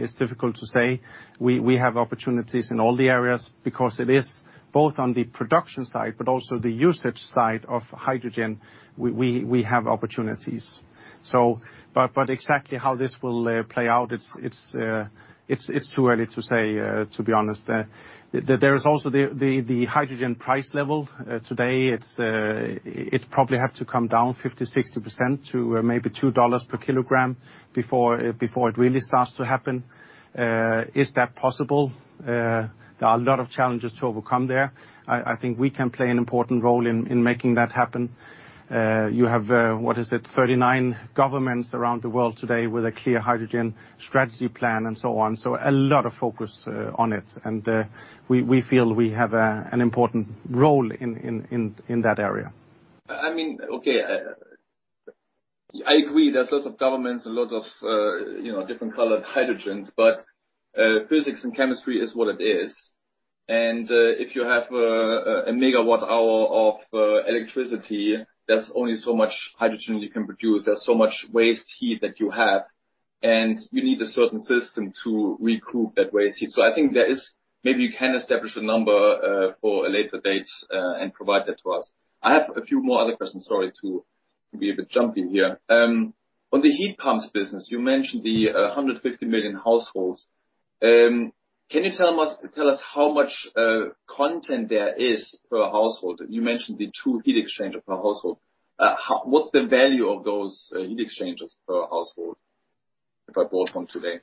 is difficult to say. We have opportunities in all the areas because it is both on the production side, but also the usage side of hydrogen. We have opportunities. Exactly how this will play out, it's too early to say, to be honest. There is also the hydrogen price level today. It probably have to come down 50-60% to maybe $2 per kilogram before it really starts to happen. Is that possible? There are a lot of challenges to overcome there. I think we can play an important role in making that happen. You have what is it? 39 governments around the world today with a clear hydrogen strategy plan and so on. A lot of focus on it. We feel we have an important role in that area. I mean, okay. I agree there's lots of governments and lots of, you know, different colored hydrogens, but physics and chemistry is what it is. If you have a megawatt hour of electricity, there's only so much hydrogen you can produce. There's so much waste heat that you have, and you need a certain system to recoup that waste heat. I think there is. Maybe you can establish a number for a later date and provide that to us. I have a few more other questions. Sorry to be a bit jumpy here. On the heat pumps business, you mentioned the 150 million households. Can you tell us how much content there is per household? You mentioned the two heat exchangers per household. What's the value of those heat exchangers per household if I bought one today?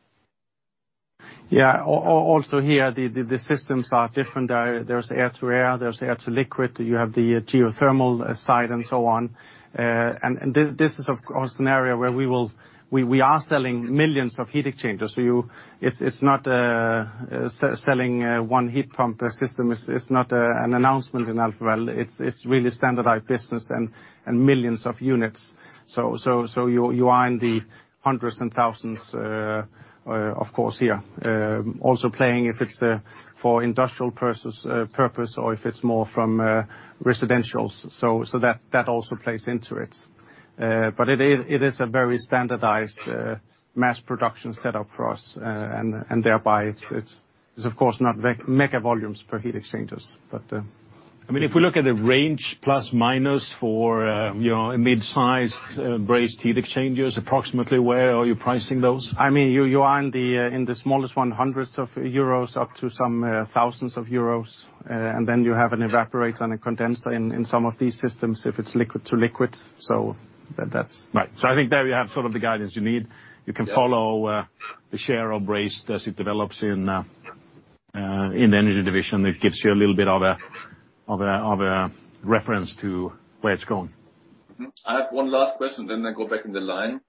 Also here, the systems are different. There's air to air, there's air to liquid, you have the geothermal side and so on. This is of course an area where we are selling millions of heat exchangers. It's not selling one heat pump system. It's not an announcement in Alfa Laval. It's really standardized business and millions of units. You are in the hundreds and thousands, of course, here. Also playing if it's for industrial purpose or if it's more from residential. That also plays into it. It is a very standardized mass production setup for us. Thereby it's of course not mega volumes per heat exchangers, but. I mean, if we look at the range plus minus for, you know, a mid-size, brazed heat exchangers, approximately, where are you pricing those? I mean, you are in the smallest 100s of EUR, up to some thousands of EUR. Then you have an evaporator and a condenser in some of these systems, if it's liquid to liquid. That's Right. I think there we have sort of the guidance you need. You can follow the share of brazed as it develops in the Energy Division. It gives you a little bit of a reference to where it's going. I have one last question, then I go back in the line.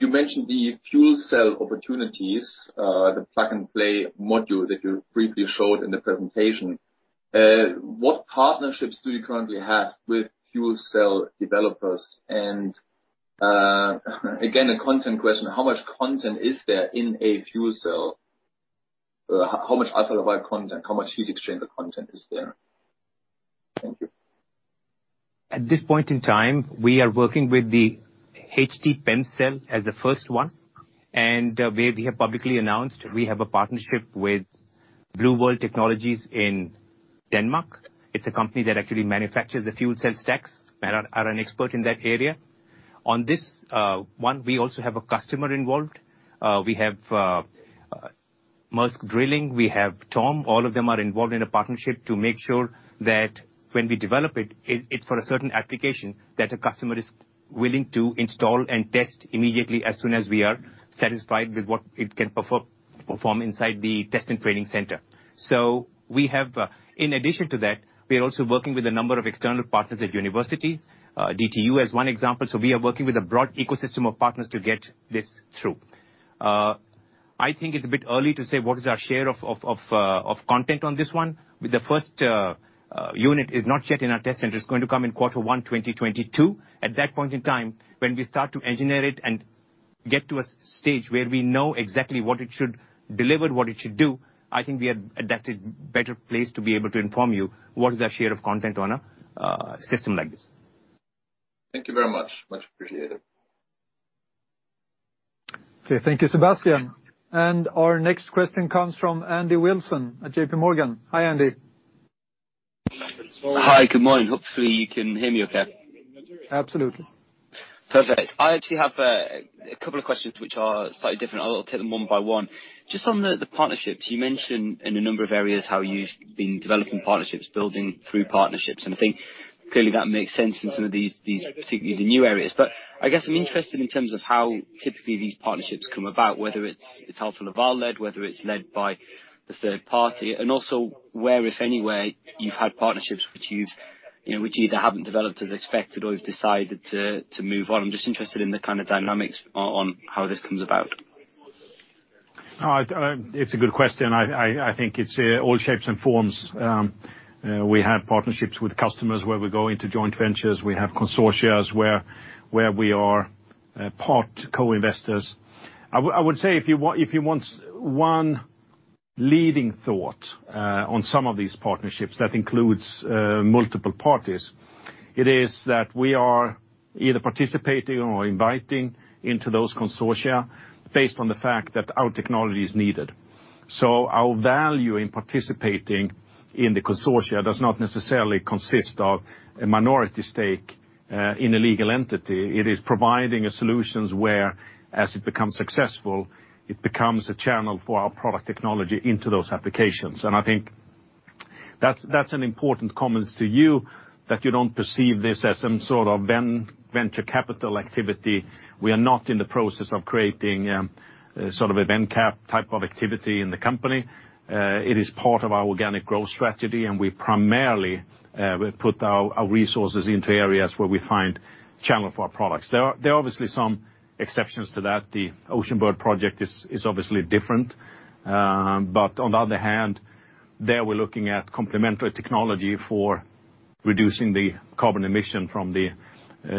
You mentioned the fuel cell opportunities, the plug-and-play module that you briefly showed in the presentation. What partnerships do you currently have with fuel cell developers? Again, a content question, how much content is there in a fuel cell? How much Alfa Laval content, how much heat exchanger content is there? Thank you. At this point in time, we are working with the HT-PEM fuel cell as the first one, and we have publicly announced we have a partnership with Blue World Technologies in Denmark. It's a company that actually manufactures the fuel cell stacks and are an expert in that area. On this one, we also have a customer involved. We have Maersk Drilling, we have Tom, all of them are involved in a partnership to make sure that when we develop it's for a certain application that a customer is willing to install and test immediately as soon as we are satisfied with what it can perform inside the test and training center. In addition to that, we are also working with a number of external partners at universities, DTU as one example. We are working with a broad ecosystem of partners to get this through. I think it's a bit early to say what is our share of content on this one. The first unit is not yet in our test center. It's going to come in quarter one, 2022. At that point in time, when we start to engineer it and get to a S-stage where we know exactly what it should deliver, what it should do, I think we are at a better place to be able to inform you what is our share of content on a system like this. Thank you very much. Much appreciated. Okay, thank you, Sebastian. Our next question comes from Andy Wilson at JPMorgan. Hi, Andy. Hi, good morning. Hopefully you can hear me okay. Absolutely. Perfect. I actually have a couple of questions which are slightly different. I'll take them one by one. Just on the partnerships, you mentioned in a number of areas how you've been developing partnerships, building through partnerships, and I think clearly that makes sense in some of these, particularly the new areas. I guess I'm interested in terms of how typically these partnerships come about, whether it's Alfa Laval led, whether it's led by the third party, and also where, if anywhere, you've had partnerships which you've, you know, which either haven't developed as expected or you've decided to move on. I'm just interested in the kind of dynamics on how this comes about. No, it's a good question. I think it's all shapes and forms. We have partnerships with customers where we go into joint ventures. We have consortia where we are part co-investors. I would say if you want one leading thought on some of these partnerships that includes multiple parties, it is that we are either participating or inviting into those consortia based on the fact that our technology is needed. Our value in participating in the consortia does not necessarily consist of a minority stake in a legal entity. It is providing a solution where, as it becomes successful, it becomes a channel for our product technology into those applications. I think that's an important comment to you, that you don't perceive this as some sort of venture capital activity. We are not in the process of creating sort of a ven cap type of activity in the company. It is part of our organic growth strategy, and we primarily put our resources into areas where we find channel for our products. There are obviously some exceptions to that. The Oceanbird project is obviously different. But on the other hand, there we're looking at complementary technology for reducing the carbon emission from the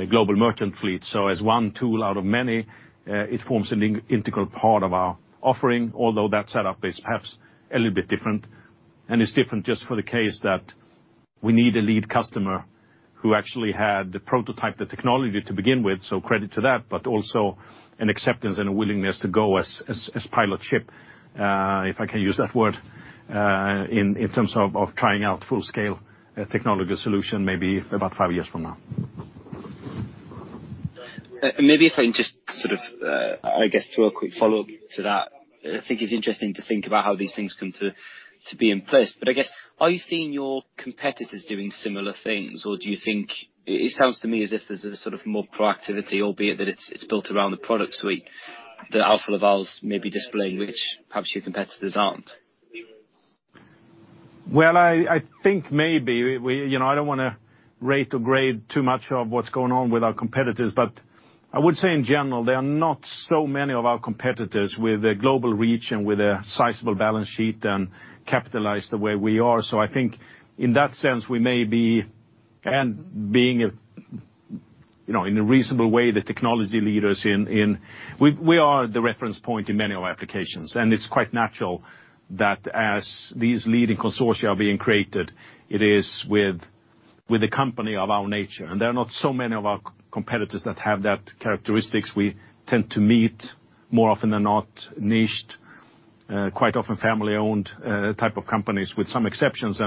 global merchant fleet. As one tool out of many, it forms an integral part of our offering, although that setup is perhaps a little bit different. It's different just for the case that we need a lead customer who actually had the prototype, the technology to begin with, so credit to that, but also an acceptance and a willingness to go as pilot ship, if I can use that word, in terms of trying out full scale technology solution maybe about five years from now. Maybe if I can just sort of, I guess throw a quick follow-up to that. I think it's interesting to think about how these things come to be in place. I guess, are you seeing your competitors doing similar things, or do you think it sounds to me as if there's a sort of more proactivity, albeit that it's built around the product suite, that Alfa Laval's maybe displaying which perhaps your competitors aren't. Well, I think maybe. You know, I don't wanna rate or grade too much of what's going on with our competitors, but I would say in general, there are not so many of our competitors with a global reach and with a sizable balance sheet and capitalized the way we are. I think in that sense, we may be being a, you know, in a reasonable way, the technology leaders in. We are the reference point in many of our applications, and it's quite natural that as these leading consortia are being created, it is with a company of our nature. There are not so many of our competitors that have that characteristics. We tend to meet more often than not niched, quite often family-owned, type of companies, with some exceptions.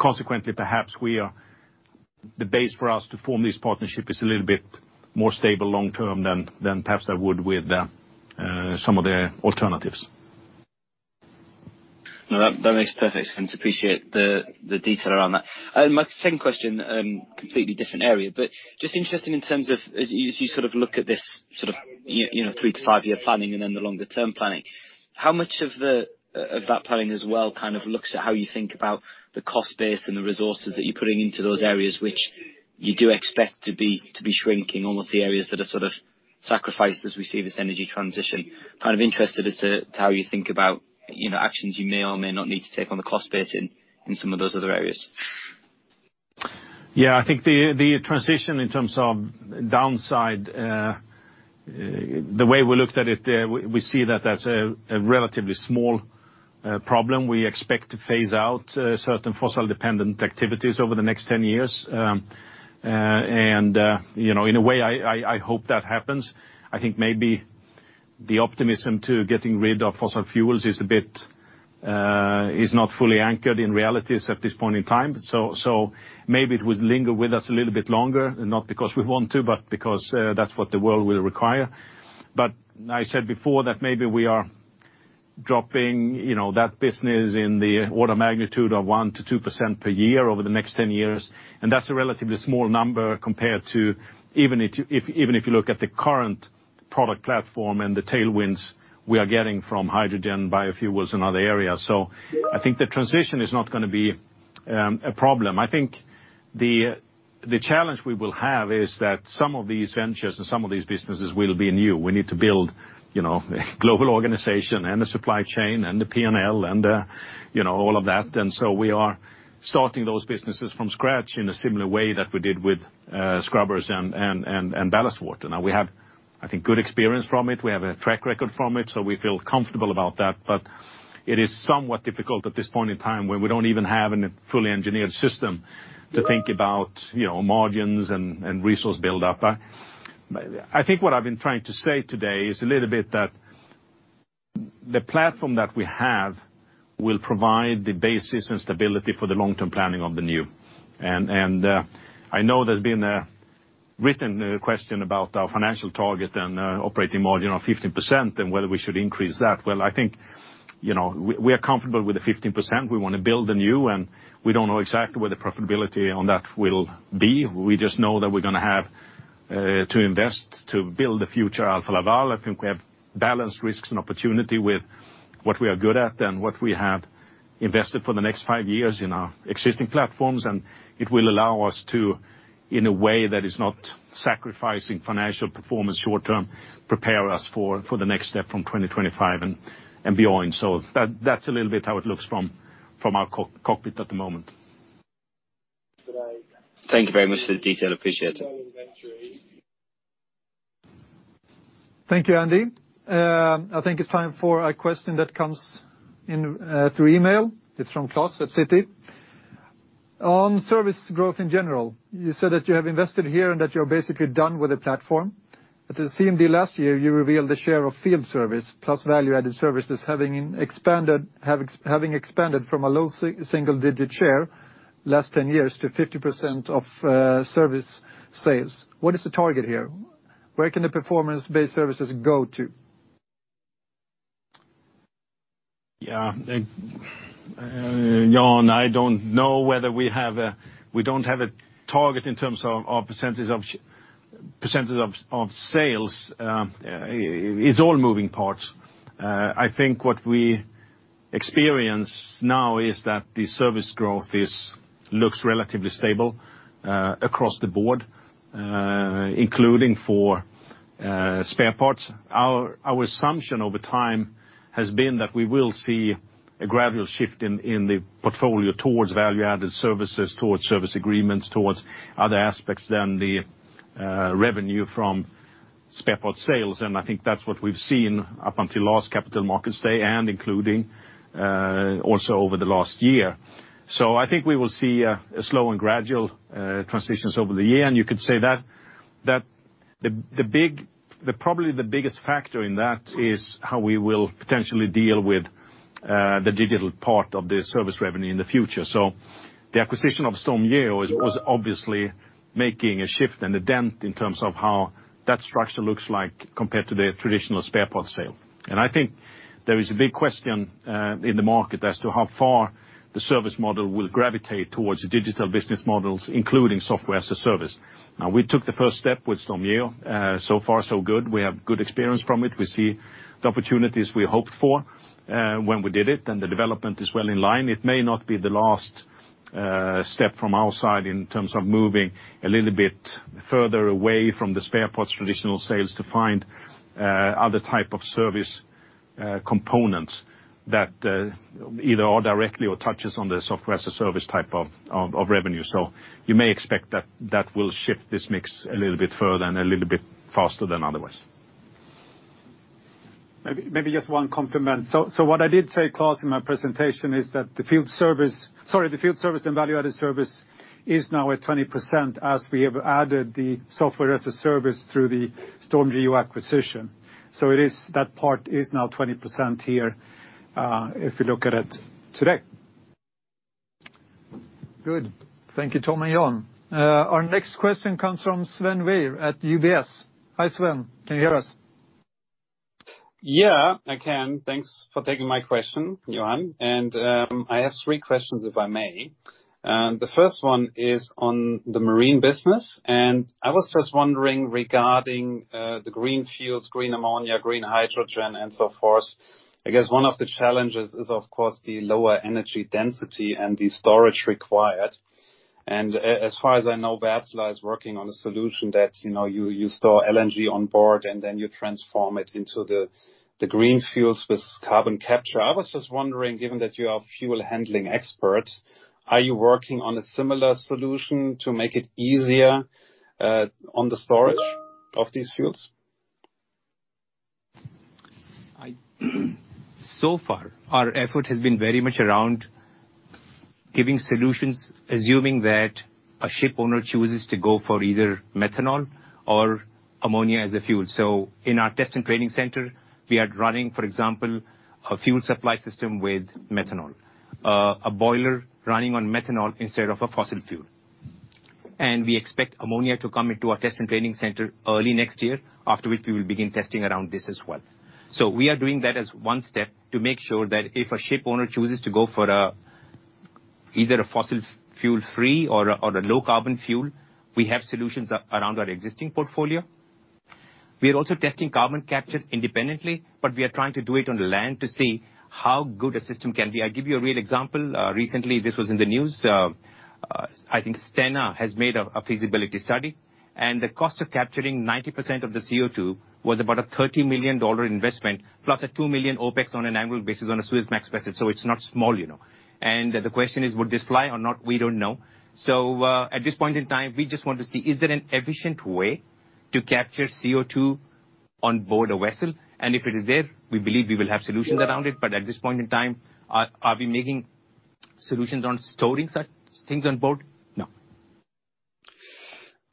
Consequently, perhaps we are. The base for us to form this partnership is a little bit more stable long-term than perhaps I would with some of the alternatives. No, that makes perfect sense. Appreciate the detail around that. My second question, completely different area, but just interested in terms of as you sort of look at this sort of you know, 3-5-year planning and then the longer term planning, how much of the planning as well kind of looks at how you think about the cost base and the resources that you're putting into those areas which you do expect to be shrinking, almost the areas that are sort of sacrificed as we see this energy transition? Kind of interested as to how you think about, you know, actions you may or may not need to take on the cost base in some of those other areas. Yeah. I think the transition in terms of downside, the way we looked at it, we see that as a relatively small problem. We expect to phase out certain fossil-dependent activities over the next 10 years. You know, in a way, I hope that happens. I think maybe the optimism to getting rid of fossil fuels is a bit not fully anchored in realities at this point in time. Maybe it would linger with us a little bit longer, not because we want to, but because that's what the world will require. I said before that maybe we are dropping, you know, that business in the order of magnitude of 1%-2% per year over the next 10 years, and that's a relatively small number compared to even if you look at the current product platform and the tailwinds we are getting from hydrogen, biofuels, and other areas. I think the transition is not gonna be a problem. I think the challenge we will have is that some of these ventures and some of these businesses will be new. We need to build, you know, a global organization and a supply chain and the P&L and, you know, all of that. We are starting those businesses from scratch in a similar way that we did with scrubbers and ballast water. Now we have, I think, good experience from it. We have a track record from it, so we feel comfortable about that. It is somewhat difficult at this point in time when we don't even have a fully engineered system to think about margins and resource buildup. I think what I've been trying to say today is a little bit that. The platform that we have will provide the basis and stability for the long-term planning of the new. I know there's been a written question about our financial target and operating margin of 15% and whether we should increase that. Well, I think we are comfortable with the 15%. We wanna build the new, and we don't know exactly where the profitability on that will be. We just know that we're gonna have to invest to build the future Alfa Laval. I think we have balanced risks and opportunity with what we are good at and what we have invested for the next 5 years in our existing platforms, and it will allow us to, in a way that is not sacrificing financial performance short-term, prepare us for the next step from 2025 and beyond. That's a little bit how it looks from our cockpit at the moment. Thank you very much for the detail. Appreciate it. Thank you, Andy. I think it's time for a question that comes in through email. It's from Claus at Citi. On service growth in general, you said that you have invested here and that you're basically done with the platform. At the CMD last year, you revealed the share of field service plus value-added services having expanded from a low single digit share last 10 years to 50% of service sales. What is the target here? Where can the performance-based services go to? Yeah. Johan, I don't know whether we have a target in terms of percentages of sales. It's all moving parts. I think what we experience now is that the service growth looks relatively stable across the board, including for spare parts. Our assumption over time has been that we will see a gradual shift in the portfolio towards value-added services, towards service agreements, towards other aspects than the revenue from spare parts sales. I think that's what we've seen up until last Capital Markets Day and including also over the last year. I think we will see a slow and gradual transitions over the year, and you could say that the big. Probably the biggest factor in that is how we will potentially deal with the digital part of the service revenue in the future. The acquisition of StormGeo was obviously making a shift and a dent in terms of how that structure looks like compared to the traditional spare parts sale. I think there is a big question in the market as to how far the service model will gravitate towards digital business models, including software as a service. Now, we took the first step with StormGeo. So far so good. We have good experience from it. We see the opportunities we hoped for when we did it, and the development is well in line. It may not be the last step from our side in terms of moving a little bit further away from the spare parts traditional sales to find other type of service components that either are directly or touches on the software as a service type of revenue. You may expect that that will shift this mix a little bit further and a little bit faster than otherwise. Maybe just one comment. What I did say, Claus, in my presentation is that the field service and value-added service is now at 20% as we have added the software as a service through the StormGeo acquisition. It is, that part is now 20% here, if you look at it today. Good. Thank you, Tom and Jan. Our next question comes from Sven Weier at UBS. Hi, Sven. Can you hear us? Yeah, I can. Thanks for taking my question, Jan Allde. I have three questions, if I may. The first one is on the marine business, and I was first wondering regarding the green fuels, green ammonia, green hydrogen, and so forth. I guess one of the challenges is, of course, the lower energy density and the storage required. As far as I know, Wärtsilä is working on a solution that, you know, you store LNG on board, and then you transform it into the green fuels with carbon capture. I was just wondering, given that you are fuel handling experts, are you working on a similar solution to make it easier on the storage of these fuels? So far, our effort has been very much around giving solutions, assuming that a ship owner chooses to go for either methanol or ammonia as a fuel. In our test and training center, we are running, for example, a fuel supply system with methanol, a boiler running on methanol instead of a fossil fuel. We expect ammonia to come into our test and training center early next year, after which we will begin testing around this as well. We are doing that as one step to make sure that if a ship owner chooses to go for either a fossil fuel-free or a low carbon fuel, we have solutions around our existing portfolio. We are also testing carbon capture independently, but we are trying to do it on land to see how good a system can be. I'll give you a real example. Recently, this was in the news, I think Stena has made a feasibility study, and the cost of capturing 90% of the CO2 was about a $30 million investment plus a $2 million OpEx on an annual basis on a Suezmax vessel. It's not small, you know. The question is, would this fly or not? We don't know. At this point in time, we just want to see, is there an efficient way to capture CO2 on board a vessel? If it is there, we believe we will have solutions around it. At this point in time, are we making solutions on storing such things on board? No.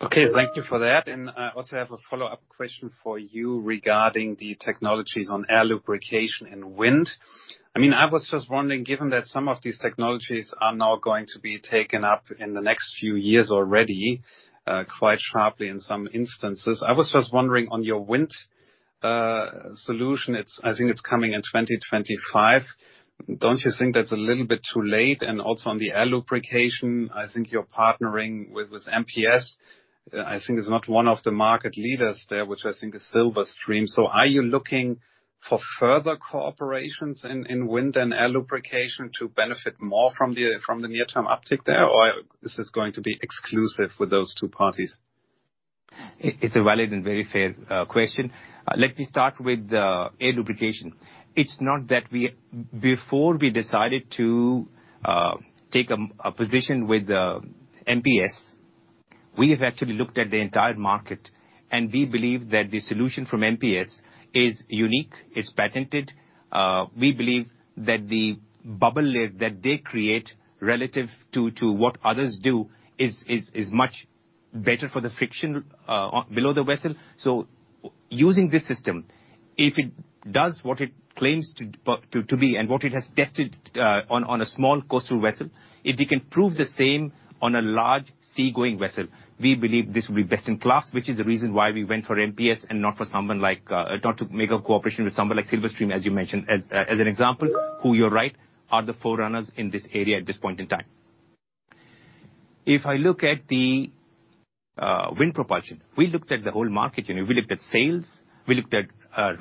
Okay, thank you for that. I also have a follow-up question for you regarding the technologies on air lubrication and wind. I mean, I was just wondering, given that some of these technologies are now going to be taken up in the next few years already, quite sharply in some instances. I was just wondering on your wind solution, it's I think it's coming in 2025. Don't you think that's a little bit too late? Also on the air lubrication, I think you're partnering with MPS. I think it's not one of the market leaders there, which I think is Silverstream Technologies. So are you looking for further collaborations in wind and air lubrication to benefit more from the near-term uptick there, or is this going to be exclusive with those two parties? It's a valid and very fair question. Let me start with the air lubrication. It's not that we... Before we decided to take a M&A position with MPS, we have actually looked at the entire market, and we believe that the solution from MPS is unique, it's patented. We believe that the bubble layer that they create relative to what others do is much better for the friction below the vessel. Using this system, if it does what it claims to be and what it has tested on a small coastal vessel, if we can prove the same on a large seagoing vessel, we believe this will be best in class, which is the reason why we went for MPS and not to make a cooperation with someone like Silverstream Technologies, as you mentioned, as an example, who, you're right, are the forerunners in this area at this point in time. If I look at the wind propulsion, we looked at the whole market. You know, we looked at sails, we looked at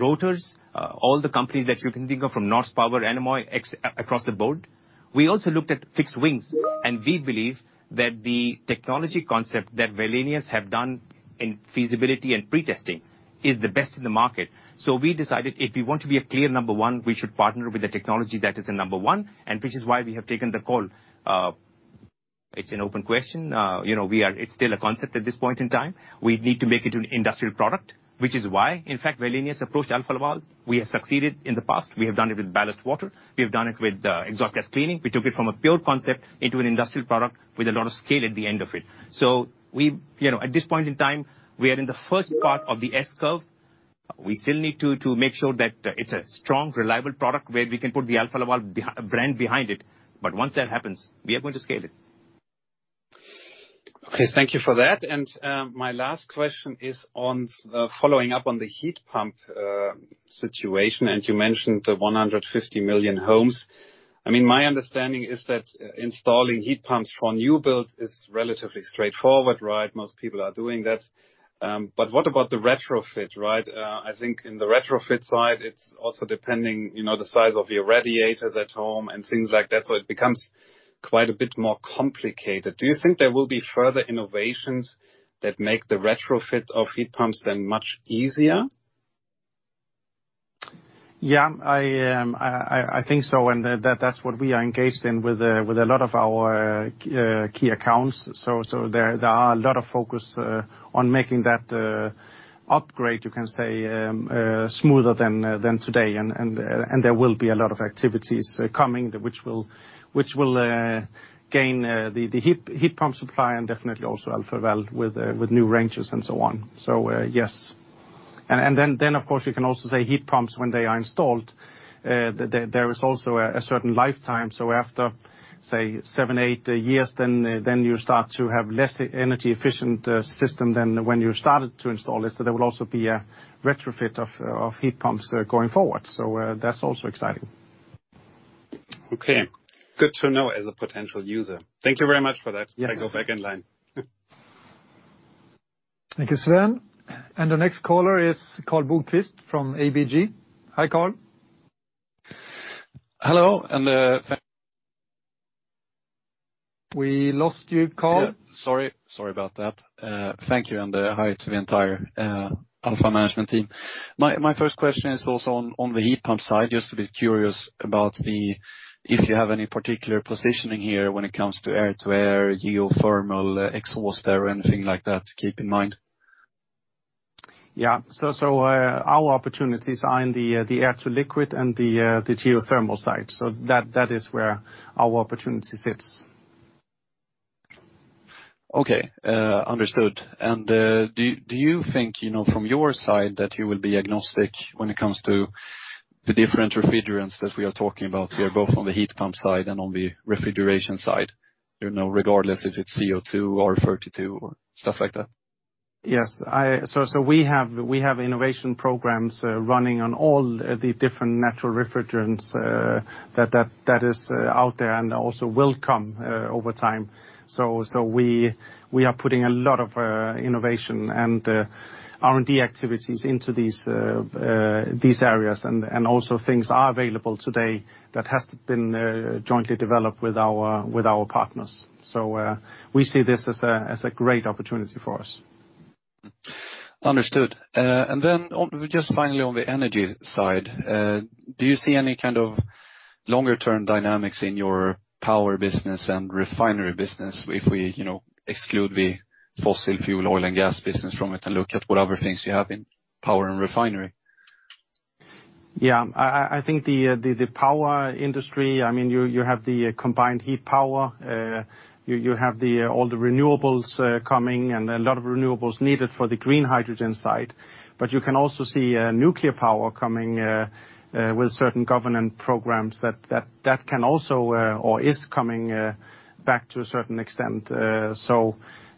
rotors, all the companies that you can think of from Norsepower, Anemoi, across the board. We also looked at fixed wings, and we believe that the technology concept that Wallenius have done in feasibility and pre-testing is the best in the market. We decided if we want to be a clear number one, we should partner with a technology that is a number one, and which is why we have taken the call. It's an open question. You know, it's still a concept at this point in time. We need to make it an industrial product, which is why, in fact, Wallenius approached Alfa Laval. We have succeeded in the past. We have done it with ballast water. We have done it with exhaust gas cleaning. We took it from a pure concept into an industrial product with a lot of scale at the end of it. We... You know, at this point in time, we are in the first part of the S-curve. We still need to make sure that it's a strong, reliable product where we can put the Alfa Laval brand behind it. Once that happens, we are going to scale it. Okay, thank you for that. My last question is on following up on the heat pump situation, and you mentioned the 150 million homes. I mean, my understanding is that installing heat pumps for new builds is relatively straightforward, right? Most people are doing that. But what about the retrofit, right? I think in the retrofit side, it's also depending, you know, the size of your radiators at home and things like that, so it becomes quite a bit more complicated. Do you think there will be further innovations that make the retrofit of heat pumps then much easier? Yeah. I think so, and that's what we are engaged in with a lot of our key accounts. There are a lot of focus on making that upgrade, you can say, smoother than today. There will be a lot of activities coming which will gain the heat pump supply and definitely also Alfa Laval with new ranges and so on. Yes. Of course, you can also say heat pumps when they are installed, there is also a certain lifetime. After, say, 7-8 years, you start to have less energy efficient system than when you started to install it. There will also be a retrofit of heat pumps going forward. That's also exciting. Okay, good to know as a potential user. Thank you very much for that. Yes. I go back in line. Thank you, Sven. The next caller is Karl Bokvist from ABG. Hi, Karl. Hello, and thank- We lost you, Karl. Yeah, sorry. Sorry about that. Thank you, and hi to the entire Alfa management team. My first question is also on the heat pump side. Just a bit curious about if you have any particular positioning here when it comes to air-to-air, geothermal, exhaust air or anything like that to keep in mind. Our opportunities are in the air-to-liquid and the geothermal side. That is where our opportunity sits. Okay, understood. Do you think, you know, from your side that you will be agnostic when it comes to the different refrigerants that we are talking about here, both on the heat pump side and on the refrigeration side? You know, regardless if it's CO2 or R32 or stuff like that. Yes. We have innovation programs running on all the different natural refrigerants that is out there and also will come over time. We are putting a lot of innovation and R&D activities into these areas. Also things are available today that has been jointly developed with our partners. We see this as a great opportunity for us. Understood. Just finally on the energy side, do you see any kind of longer-term dynamics in your power business and refinery business if we, you know, exclude the fossil fuel, oil and gas business from it and look at what other things you have in power and refinery? Yeah, I think the power industry, I mean, you have the combined heat power. You have all the renewables coming and a lot of renewables needed for the green hydrogen side. You can also see nuclear power coming with certain government programs that can also or is coming back to a certain extent.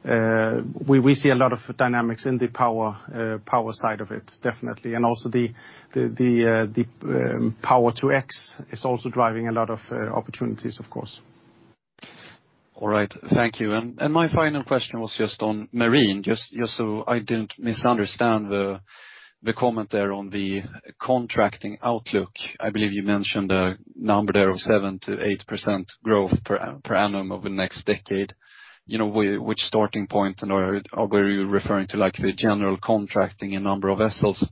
We see a lot of dynamics in the power side of it, definitely. Also the Power-to-X is also driving a lot of opportunities, of course. All right. Thank you. My final question was just on marine, just so I didn't misunderstand the comment there on the contracting outlook. I believe you mentioned a number there of 7%-8% growth per annum over the next decade. You know, which starting point or were you referring to like the general contracting and number of vessels?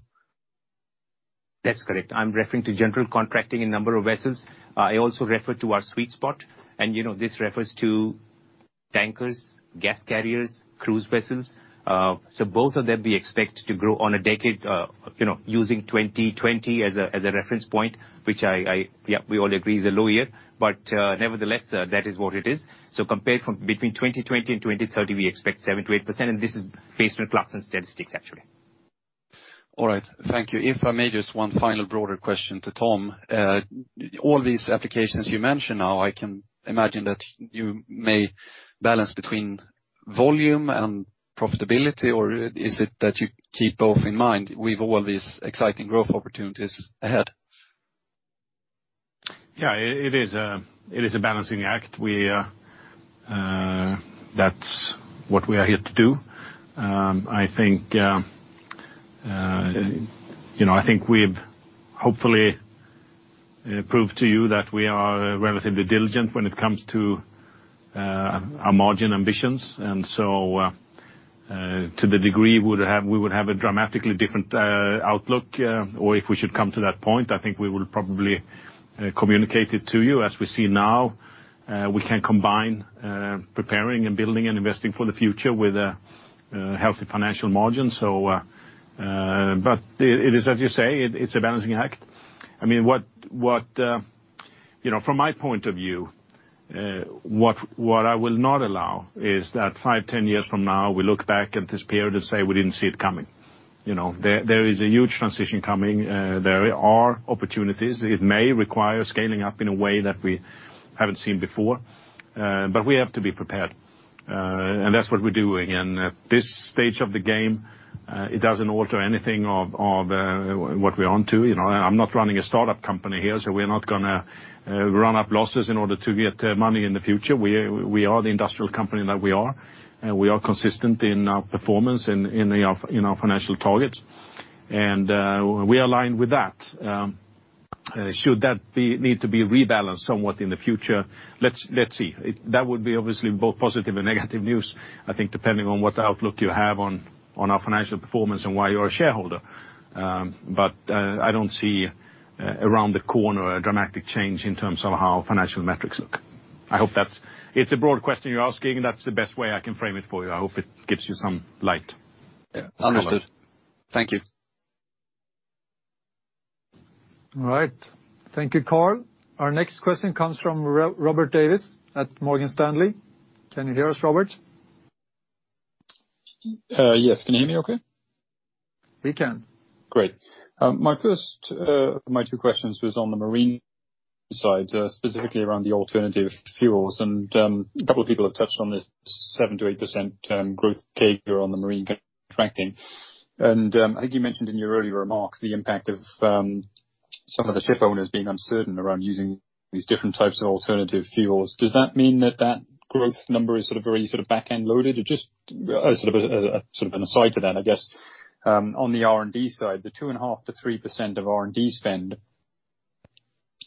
That's correct. I'm referring to general contracting and number of vessels. I also refer to our sweet spot, and, you know, this refers to tankers, gas carriers, cruise vessels. Both of them we expect to grow over a decade, you know, using 2020 as a reference point, which, yeah, we all agree is a low year. Nevertheless, that is what it is. Compared from between 2020 and 2030, we expect 7%-8%, and this is based on Clarksons statistics, actually. All right. Thank you. If I may, just one final broader question to Tom. All these applications you mentioned now, I can imagine that you may balance between volume and profitability or is it that you keep both in mind with all these exciting growth opportunities ahead? Yeah, it is a balancing act. That's what we are here to do. I think, you know, I think we've hopefully proved to you that we are relatively diligent when it comes to our margin ambitions. To the degree we would have a dramatically different outlook, or if we should come to that point, I think we will probably communicate it to you. As we see now, we can combine preparing and building and investing for the future with a healthy financial margin. It is, as you say, it's a balancing act. I mean, what you know, from my point of view, what I will not allow is that five, 10 years from now, we look back at this period and say, "We didn't see it coming." You know, there is a huge transition coming. There are opportunities. It may require scaling up in a way that we haven't seen before, but we have to be prepared, and that's what we're doing. At this stage of the game, it doesn't alter anything of what we're onto, you know. I'm not running a startup company here, so we're not gonna run up losses in order to get money in the future. We are the industrial company that we are, and we are consistent in our performance, in our financial targets. We align with that. Should that need to be rebalanced somewhat in the future, let's see. That would be obviously both positive and negative news, I think, depending on what outlook you have on our financial performance and why you're a shareholder. I don't see around the corner a dramatic change in terms of how financial metrics look. I hope that's. It's a broad question you're asking. That's the best way I can frame it for you. I hope it gives you some light. Yeah. Understood. Thank you. All right. Thank you, Karl. Our next question comes from Robert Davies at Morgan Stanley. Can you hear us, Robert? Yes. Can you hear me okay? We can. Great. My first of my two questions was on the marine side, specifically around the alternative fuels. A couple of people have touched on this 7%-8% growth figure on the marine contracting. I think you mentioned in your earlier remarks the impact of some of the shipowners being uncertain around using these different types of alternative fuels. Does that mean that that growth number is sort of very back-end loaded? Or just as sort of an aside to that, I guess, on the R&D side, the 2.5%-3% of R&D spend,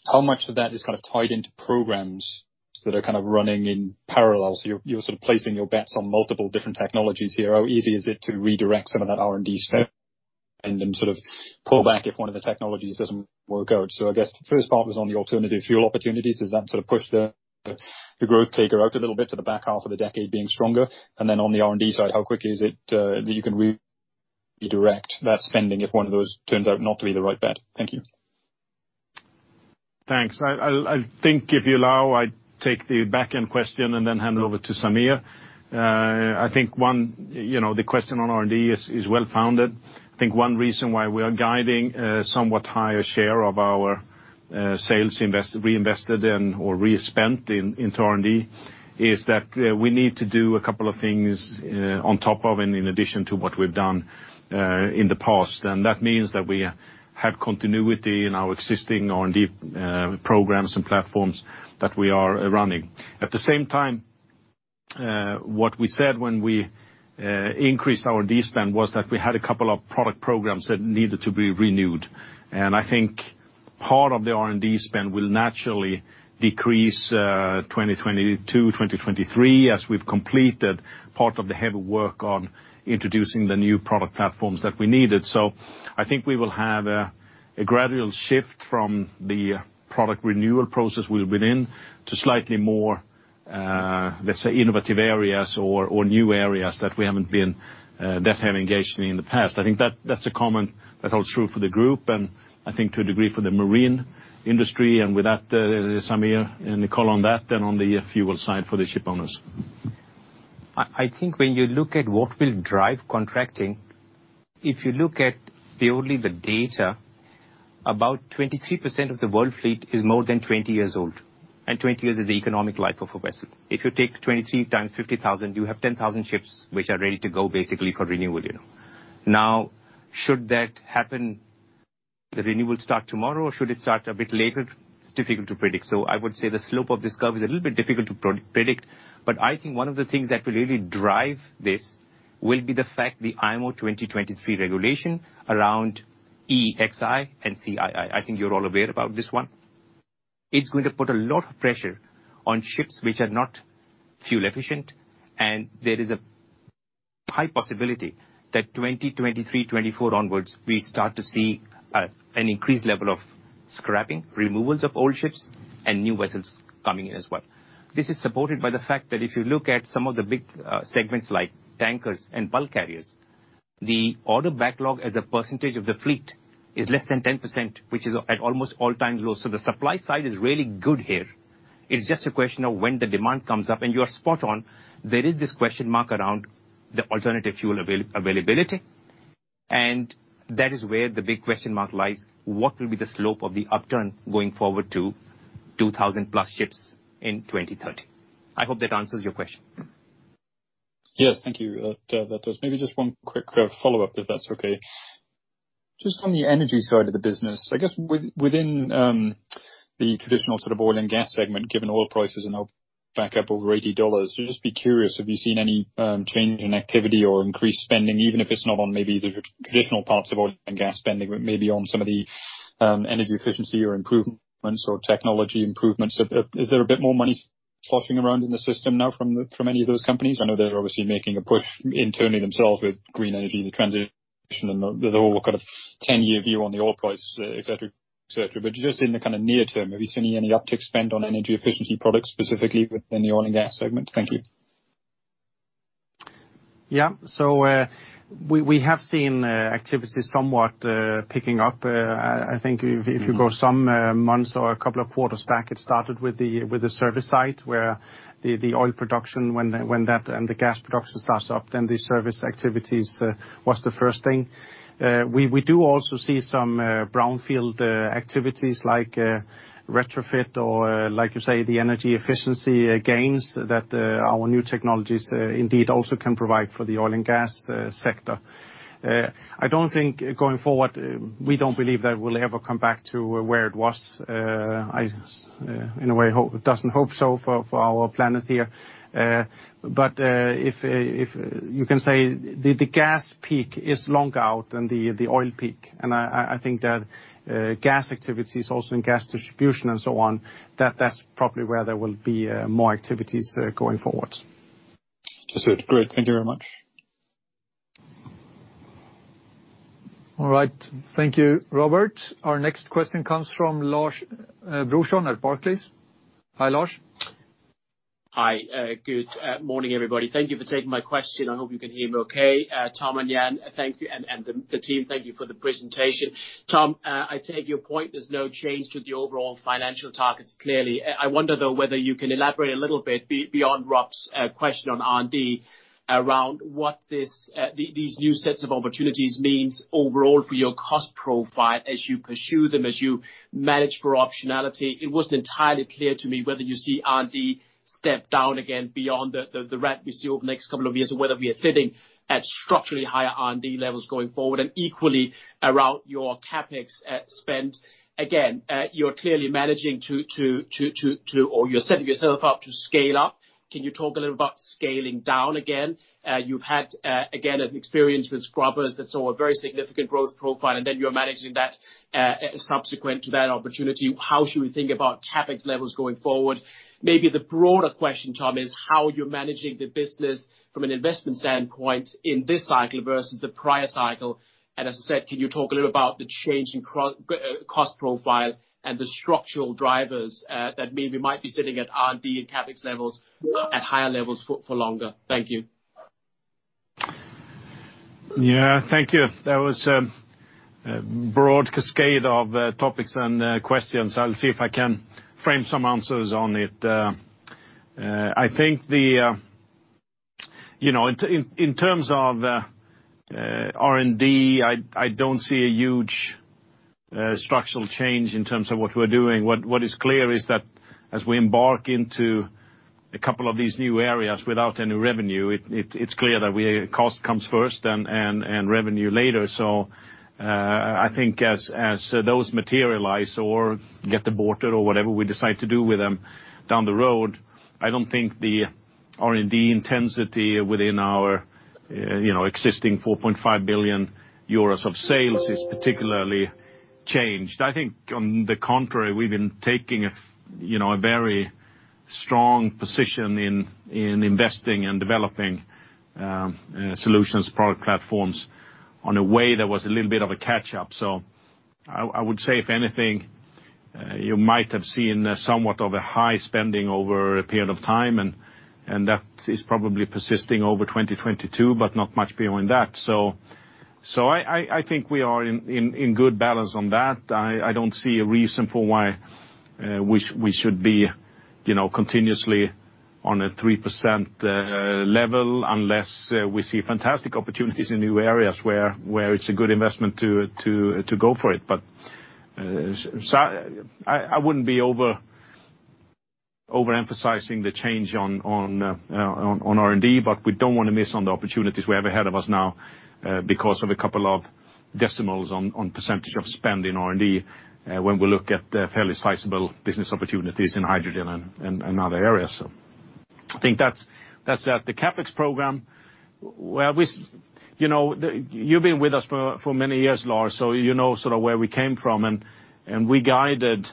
how much of that is kind of tied into programs that are kind of running in parallel? You're sort of placing your bets on multiple different technologies here. How easy is it to redirect some of that R&D spend and sort of pull back if one of the technologies doesn't work out? I guess the first part was on the alternative fuel opportunities. Does that sort of push the growth figure out a little bit to the back half of the decade being stronger? On the R&D side, how quick is it that you can redirect that spending if one of those turns out not to be the right bet? Thank you. Thanks. I think if you allow, I take the back-end question and then hand it over to Sameer. I think you know, the question on R&D is well-founded. I think one reason why we are guiding a somewhat higher share of our sales invested/reinvested in or respent in into R&D is that we need to do a couple of things on top of and in addition to what we've done in the past. That means that we have continuity in our existing R&D programs and platforms that we are running. At the same time, what we said when we increased our R&D spend was that we had a couple of product programs that needed to be renewed. I think part of the R&D spend will naturally decrease, 2022, 2023, as we've completed part of the heavy work on introducing the new product platforms that we needed. I think we will have a gradual shift from the product renewal process we've been in to slightly more, let's say innovative areas or new areas that we haven't engaged in in the past. I think that's a comment that holds true for the group, and I think to a degree for the marine industry, and with that, Sameer, any call on that then on the fuel side for the ship owners. I think when you look at what will drive contracting, if you look at purely the data, about 23% of the world fleet is more than 20 years old, and 20 years is the economic life of a vessel. If you take 23 × 50,000, you have 10,000 ships which are ready to go basically for renewal, you know. Now, should that happen, the renewal start tomorrow, or should it start a bit later, it's difficult to predict. I would say the slope of this curve is a little bit difficult to predict. I think one of the things that will really drive this will be the fact that the IMO 2023 regulation around EEXI and CII. I think you're all aware about this one. It's going to put a lot of pressure on ships which are not fuel efficient, and there is a high possibility that 2023, 2024 onwards, we start to see an increased level of scrapping, removals of old ships and new vessels coming in as well. This is supported by the fact that if you look at some of the big segments like tankers and bulk carriers, the order backlog as a percentage of the fleet is less than 10%, which is at almost all-time low. The supply side is really good here. It's just a question of when the demand comes up, and you are spot on, there is this question mark around the alternative fuel availability. That is where the big question mark lies, what will be the slope of the upturn going forward to 2000+ ships in 2030? I hope that answers your question. Yes, thank you. That does. Maybe just one quick follow-up, if that's okay. Just on the energy side of the business, I guess within the traditional sort of oil and gas segment, given oil prices and all back up over $80, I'd just be curious, have you seen any change in activity or increased spending, even if it's not on maybe the traditional parts of oil and gas spending, but maybe on some of the energy efficiency or improvements or technology improvements? Is there a bit more money sloshing around in the system now from any of those companies? I know they're obviously making a push internally themselves with green energy, the transition, and the whole kind of 10-year view on the oil price, et cetera, et cetera. Just in the kind of near term, have you seen any uptick spend on energy efficiency products specifically within the oil and gas segment? Thank you. Yeah. We have seen activity somewhat picking up. I think if you go some months or a couple of quarters back, it started with the service side, where the oil production when that and the gas production starts up, then the service activities was the first thing. We do also see some brownfield activities like retrofit or, like you say, the energy efficiency gains that our new technologies indeed also can provide for the oil and gas sector. I don't think going forward, we don't believe that we'll ever come back to where it was. I in a way hope it doesn't. I hope so for our planet here. If you can say the gas peak is long out and the oil peak, and I think that gas activities also in gas distribution and so on, that's probably where there will be more activities going forward. Understood. Great. Thank you very much. All right. Thank you, Robert. Our next question comes from Lars Brorson at Barclays. Hi, Lars. Hi. Good morning, everybody. Thank you for taking my question. I hope you can hear me okay. Tom and Jan, thank you, and the team, thank you for the presentation. Tom, I take your point, there's no change to the overall financial targets, clearly. I wonder, though, whether you can elaborate a little bit beyond Rob's question on R&D around what these new sets of opportunities means overall for your cost profile as you pursue them, as you manage for optionality. It wasn't entirely clear to me whether you see R&D step down again beyond the rate we see over the next couple of years, or whether we are sitting at structurally higher R&D levels going forward, and equally around your CapEx spend. Again, you're clearly managing to or you're setting yourself up to scale up. Can you talk a little about scaling down again? You've had, again, an experience with scrubbers that saw a very significant growth profile, and then you're managing that, subsequent to that opportunity. How should we think about CapEx levels going forward? Maybe the broader question, Tom, is how you're managing the business from an investment standpoint in this cycle versus the prior cycle. As I said, can you talk a little about the change in cost profile and the structural drivers that mean we might be sitting at R&D and CapEx levels at higher levels for longer? Thank you. Thank you. That was a broad cascade of topics and questions. I'll see if I can frame some answers on it. I think, you know, in terms of R&D, I don't see a huge structural change in terms of what we're doing. What is clear is that as we embark into a couple of these new areas without any revenue, it's clear that cost comes first and revenue later. I think as those materialize or get aborted or whatever we decide to do with them down the road, I don't think the R&D intensity within our, you know, existing 4.5 billion euros of sales is particularly changed. I think on the contrary, we've been taking a, you know, a very strong position in investing and developing solutions, product platforms in a way that was a little bit of a catch up. I would say if anything, you might have seen somewhat of a high spending over a period of time, and that is probably persisting over 2022, but not much beyond that. I think we are in good balance on that. I don't see a reason for why we should be, you know, continuously on a 3% level unless we see fantastic opportunities in new areas where it's a good investment to go for it. I wouldn't be overemphasizing the change on R&D, but we don't want to miss the opportunities we have ahead of us now, because of a couple of decimals on percentage of spend in R&D, when we look at the fairly sizable business opportunities in hydrogen and other areas. I think that's that. The CapEx program. You know, you've been with us for many years, Lars, so you know sort of where we came from. We guided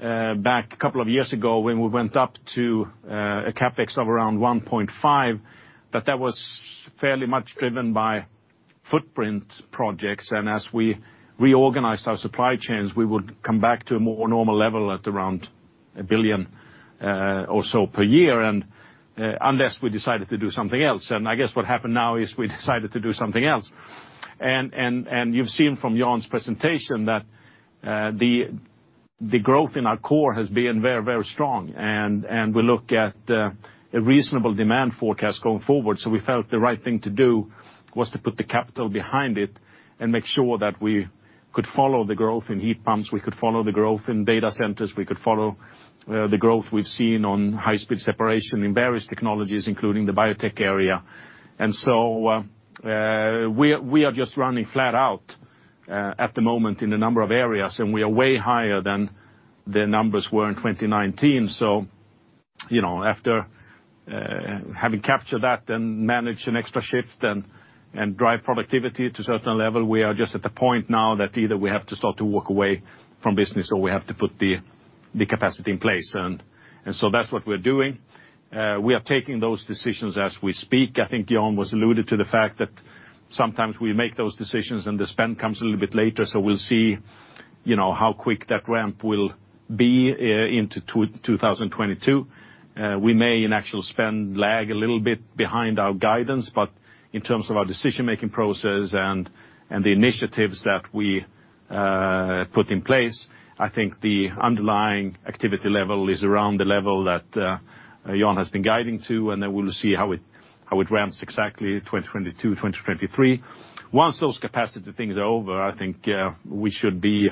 back a couple of years ago when we went up to a CapEx of around 1.5, that was fairly much driven by footprint projects. As we reorganized our supply chains, we would come back to a more normal level at around 1 billion or so per year, and unless we decided to do something else. I guess what happened now is we decided to do something else. You've seen from Jan's presentation that the growth in our core has been very, very strong, and we look at a reasonable demand forecast going forward. We felt the right thing to do was to put the capital behind it and make sure that we could follow the growth in heat pumps, we could follow the growth in data centers, we could follow the growth we've seen on high-speed separation in various technologies, including the biotech area. We are just running flat out at the moment in a number of areas, and we are way higher than the numbers were in 2019. You know, after having captured that, then manage an extra shift and drive productivity to a certain level, we are just at the point now that either we have to start to walk away from business or we have to put the capacity in place. That's what we're doing. We are taking those decisions as we speak. I think Jan alluded to the fact that sometimes we make those decisions and the spend comes a little bit later. We'll see, you know, how quick that ramp will be into 2022. We may in actual spend lag a little bit behind our guidance, but in terms of our decision-making process and the initiatives that we put in place, I think the underlying activity level is around the level that Jan has been guiding to, and then we'll see how it ramps exactly, 2022, 2023. Once those capacity things are over, I think we should be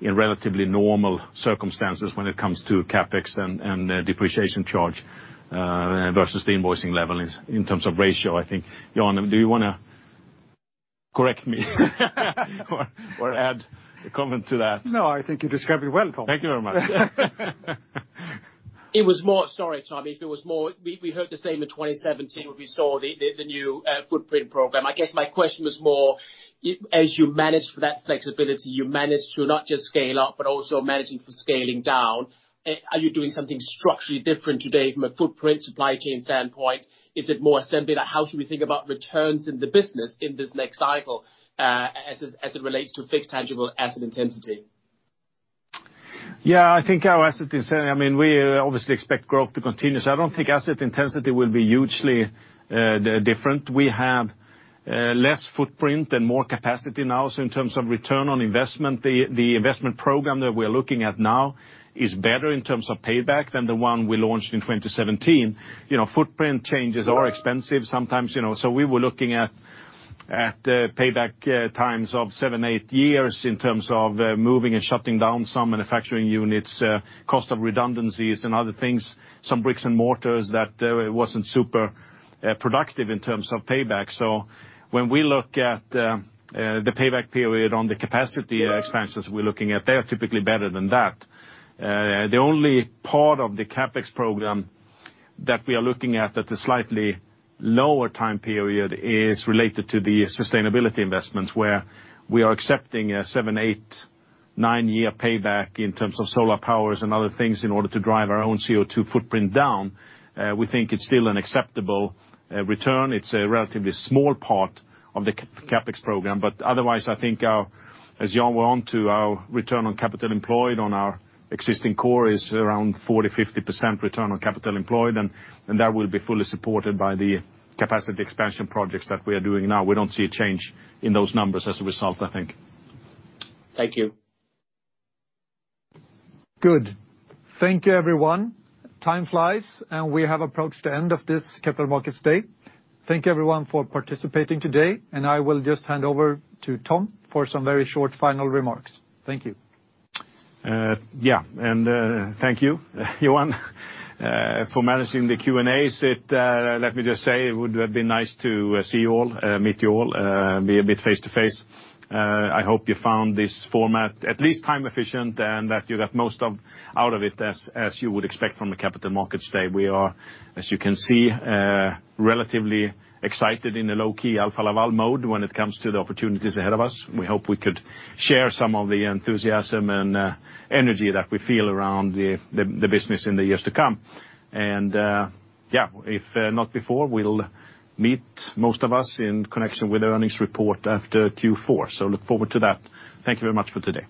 in relatively normal circumstances when it comes to CapEx and depreciation charge versus the invoicing level in terms of ratio, I think. Jan, do you wanna correct me or add a comment to that? No, I think you described it well, Tom. Thank you very much. Sorry, Tom, we heard the same in 2017 when we saw the new footprint program. I guess my question was more as you manage for that flexibility, you manage to not just scale up, but also managing for scaling down. Are you doing something structurally different today from a footprint supply chain standpoint? Is it more assembly? Like, how should we think about returns in the business in this next cycle, as it relates to fixed tangible asset intensity? Yeah, I think our asset intensity, I mean, we obviously expect growth to continue, so I don't think asset intensity will be hugely different. We have less footprint and more capacity now. So in terms of return on investment, the investment program that we're looking at now is better in terms of payback than the one we launched in 2017. You know, footprint changes are expensive sometimes, you know. So we were looking at payback times of 7-8 years in terms of moving and shutting down some manufacturing units, cost of redundancies and other things, some bricks and mortars that it wasn't super productive in terms of payback. So when we look at the payback period on the capacity expansions we're looking at, they are typically better than that. The only part of the CapEx program that we are looking at at a slightly lower time period is related to the sustainability investments, where we are accepting a 7, 8, 9-year payback in terms of solar powers and other things in order to drive our own CO2 footprint down. We think it's still an acceptable return. It's a relatively small part of the CapEx program. Otherwise, I think our, as Jan went on to our return on capital employed on our existing core is around 40%-50% return on capital employed, and that will be fully supported by the capacity expansion projects that we are doing now. We don't see a change in those numbers as a result, I think. Thank you. Good. Thank you, everyone. Time flies, and we have approached the end of this capital markets day. Thank you, everyone, for participating today, and I will just hand over to Tom for some very short final remarks. Thank you. Thank you, Jan, for managing the Q&A. It would have been nice to see you all face to face. I hope you found this format at least time efficient and that you got most out of it as you would expect from a Capital Markets Day. We are, as you can see, relatively excited in a low-key Alfa Laval mode when it comes to the opportunities ahead of us. We hope we could share some of the enthusiasm and energy that we feel around the business in the years to come. If not before, we'll meet most of us in connection with the earnings report after Q4. Look forward to that. Thank you very much for today.